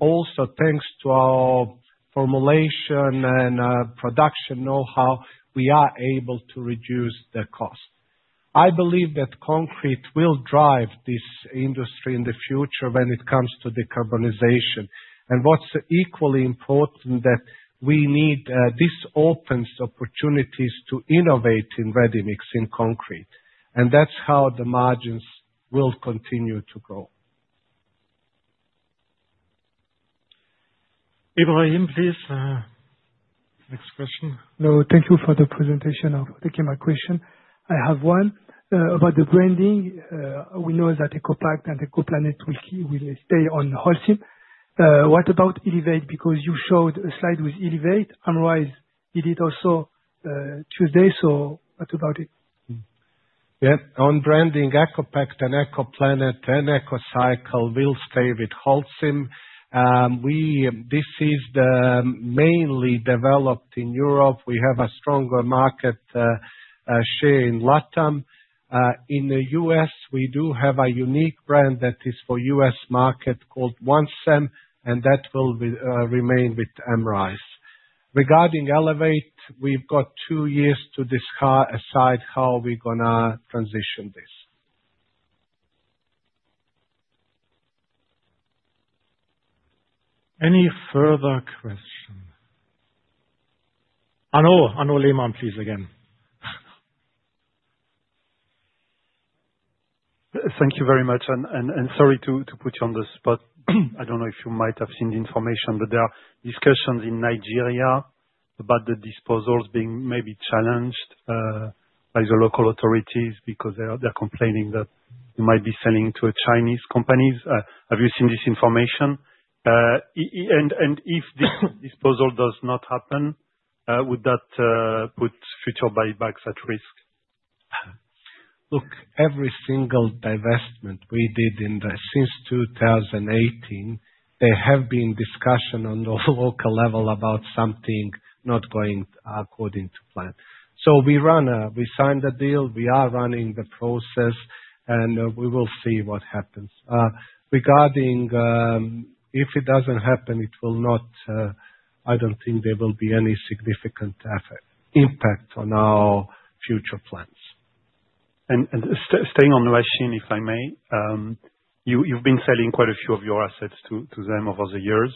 Also, thanks to our formulation and production know-how, we are able to reduce the cost. I believe that concrete will drive this industry in the future when it comes to decarbonization. What's equally important that we need, this opens opportunities to innovate in ready-mix in concrete. That's how the margins will continue to grow. Ibrahim, please. Next question. No, thank you for the presentation of taking my question. I have one about the branding. We know that ECOPact and ECOPlanet will stay on Holcim. What about Elevate? Because you showed a slide with Elevate. Amrize did it also Tuesday. What about it? Yeah. On branding, ECOPact and ECOPlanet and ECOCycle will stay with Holcim. This is mainly developed in Europe. We have a stronger market share in Latin America. In the U.S., we do have a unique brand that is for US market called OneCem, and that will remain with Amrize. Regarding Elevate, we have two years to decide how we are going to transition this. Any further questions? Arnaud Lehmann, please, again. Thank you very much. And sorry to put you on the spot. I don't know if you might have seen the information, but there are discussions in Nigeria about the disposals being maybe challenged by the local authorities because they're complaining that they might be selling to Chinese companies. Have you seen this information? If this disposal does not happen, would that put future buybacks at risk? Look, every single divestment we did since 2018, there have been discussions on the local level about something not going according to plan. We signed a deal. We are running the process, and we will see what happens. Regarding if it doesn't happen, I don't think there will be any significant impact on our future plans. Staying on the West Chin, if I may, you've been selling quite a few of your assets to them over the years.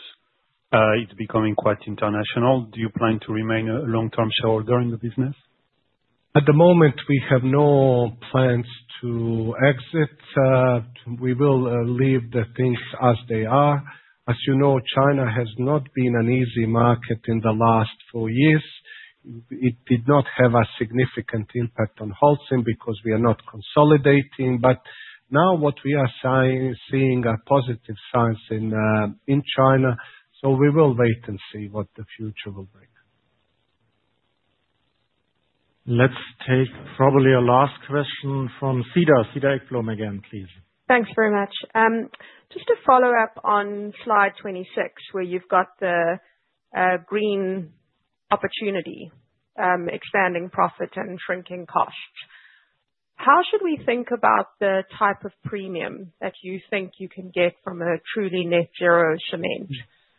It's becoming quite international. Do you plan to remain a long-term shareholder in the business? At the moment, we have no plans to exit. We will leave the things as they are. As you know, China has not been an easy market in the last four years. It did not have a significant impact on Holcim because we are not consolidating. Now what we are seeing are positive signs in China. We will wait and see what the future will bring. Let's take probably a last question from Cedar. Cedar, you can come again, please. Thanks very much. Just to follow up on slide 26, where you've got the green opportunity, expanding profit and shrinking costs. How should we think about the type of premium that you think you can get from a truly net-zero cement?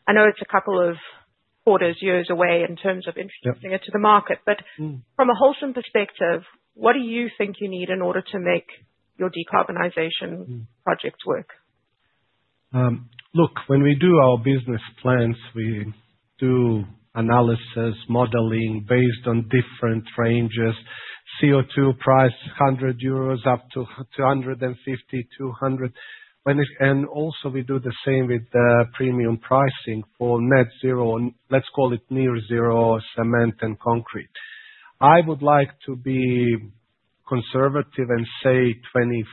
I know it's a couple of quarters, years away in terms of introducing it to the market. From a Holcim perspective, what do you think you need in order to make your decarbonization projects work? Look, when we do our business plans, we do analysis, modeling based on different ranges. CO2 price, 100 euros up to 250, 200. We also do the same with premium pricing for net-zero, let's call it near-zero cement and concrete. I would like to be conservative and say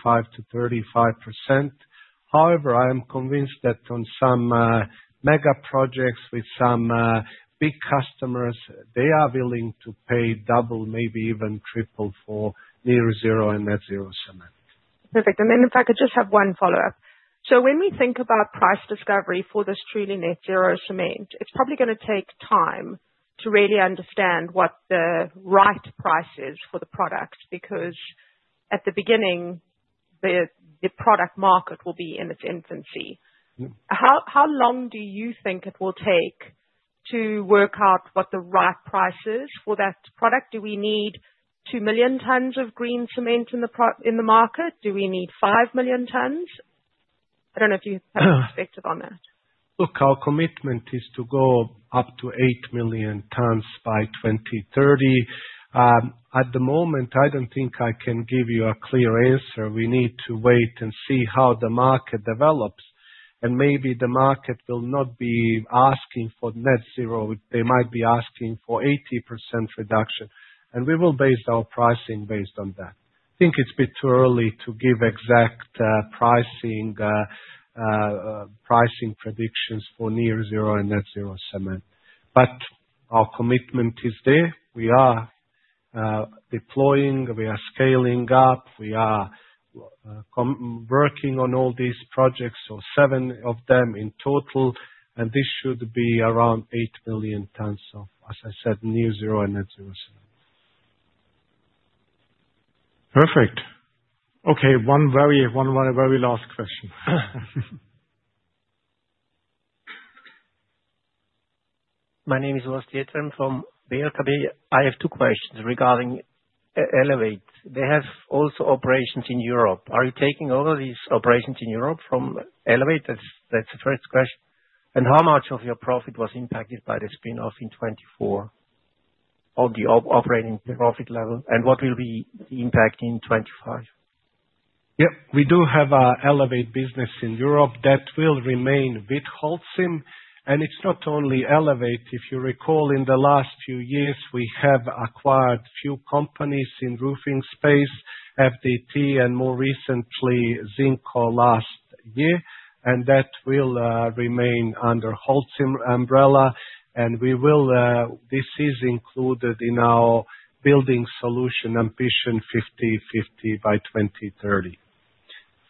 25%-35%. However, I am convinced that on some mega projects with some big customers, they are willing to pay double, maybe even triple for near-zero and net-zero cement. Perfect. If I could just have one follow-up. When we think about price discovery for this truly net-zero cement, it's probably going to take time to really understand what the right price is for the product because at the beginning, the product market will be in its infancy. How long do you think it will take to work out what the right price is for that product? Do we need 2 million tons of green cement in the market? Do we need 5 million tons? I don't know if you have perspective on that. Look, our commitment is to go up to 8 million tons by 2030. At the moment, I don't think I can give you a clear answer. We need to wait and see how the market develops. Maybe the market will not be asking for net-zero. They might be asking for 80% reduction. We will base our pricing based on that. I think it's a bit too early to give exact pricing predictions for near-zero and net-zero cement. But our commitment is there. We are deploying. We are scaling up. We are working on all these projects, so seven of them in total. This should be around 8 million tons of, as I said, near-zero and net-zero cement. Perfect. Okay. One very last question. My name is Wasit Yetem. I'm from Beir Kabeh. I have two questions regarding Elevate. They have also operations in Europe. Are you taking over these operations in Europe from Elevate? That's the first question. How much of your profit was impacted by the spinoff in 2024, on the operating profit level? What will be the impact in 2025? Yeah. We do have an Elevate business in Europe that will remain with Holcim. It's not only Elevate. If you recall, in the last few years, we have acquired a few companies in the roofing space, FDT, and more recently, ZinCo last year. That will remain under the Holcim umbrella. This is included in our building solution ambition, 50/50 by 2030.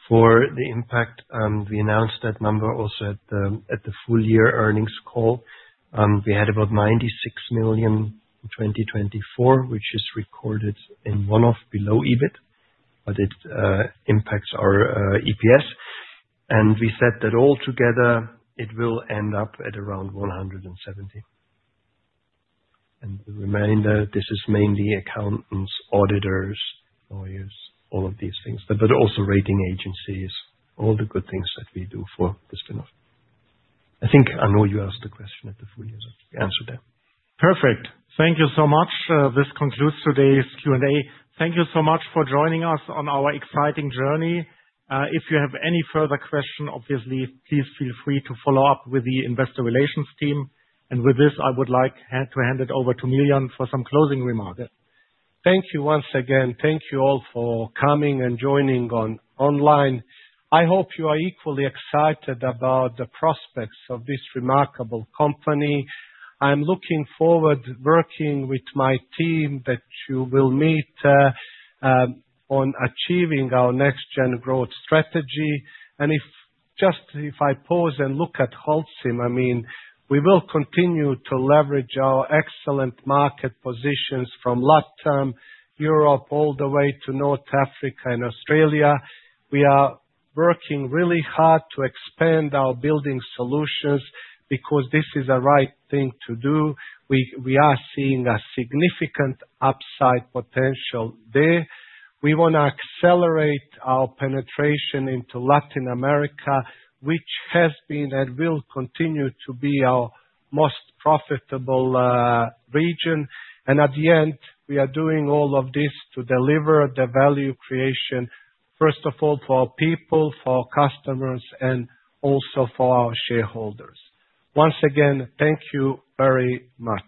For the impact, we announced that number also at the full-year earnings call. We had about 96 million in 2024, which is recorded in one-off below EBIT, but it impacts our EPS. We said that altogether, it will end up at around 170 million. The remainder, this is mainly accountants, auditors, lawyers, all of these things, but also rating agencies, all the good things that we do for the spinoff. I think I know you asked the question at the full year, so you answered that. Perfect. Thank you so much. This concludes today's Q&A. Thank you so much for joining us on our exciting journey. If you have any further questions, obviously, please feel free to follow up with the investor relations team. With this, I would like to hand it over to Miljan for some closing remarks. Thank you once again. Thank you all for coming and joining online. I hope you are equally excited about the prospects of this remarkable company. I'm looking forward to working with my team that you will meet on achieving our NextGen Growth strategy. If I pause and look at Holcim, I mean, we will continue to leverage our excellent market positions from Latin America, Europe, all the way to North Africa and Australia. We are working really hard to expand our building solutions because this is the right thing to do. We are seeing a significant upside potential there. We want to accelerate our penetration into Latin America, which has been and will continue to be our most profitable region. At the end, we are doing all of this to deliver the value creation, first of all, for our people, for our customers, and also for our shareholders. Once again, thank you very much.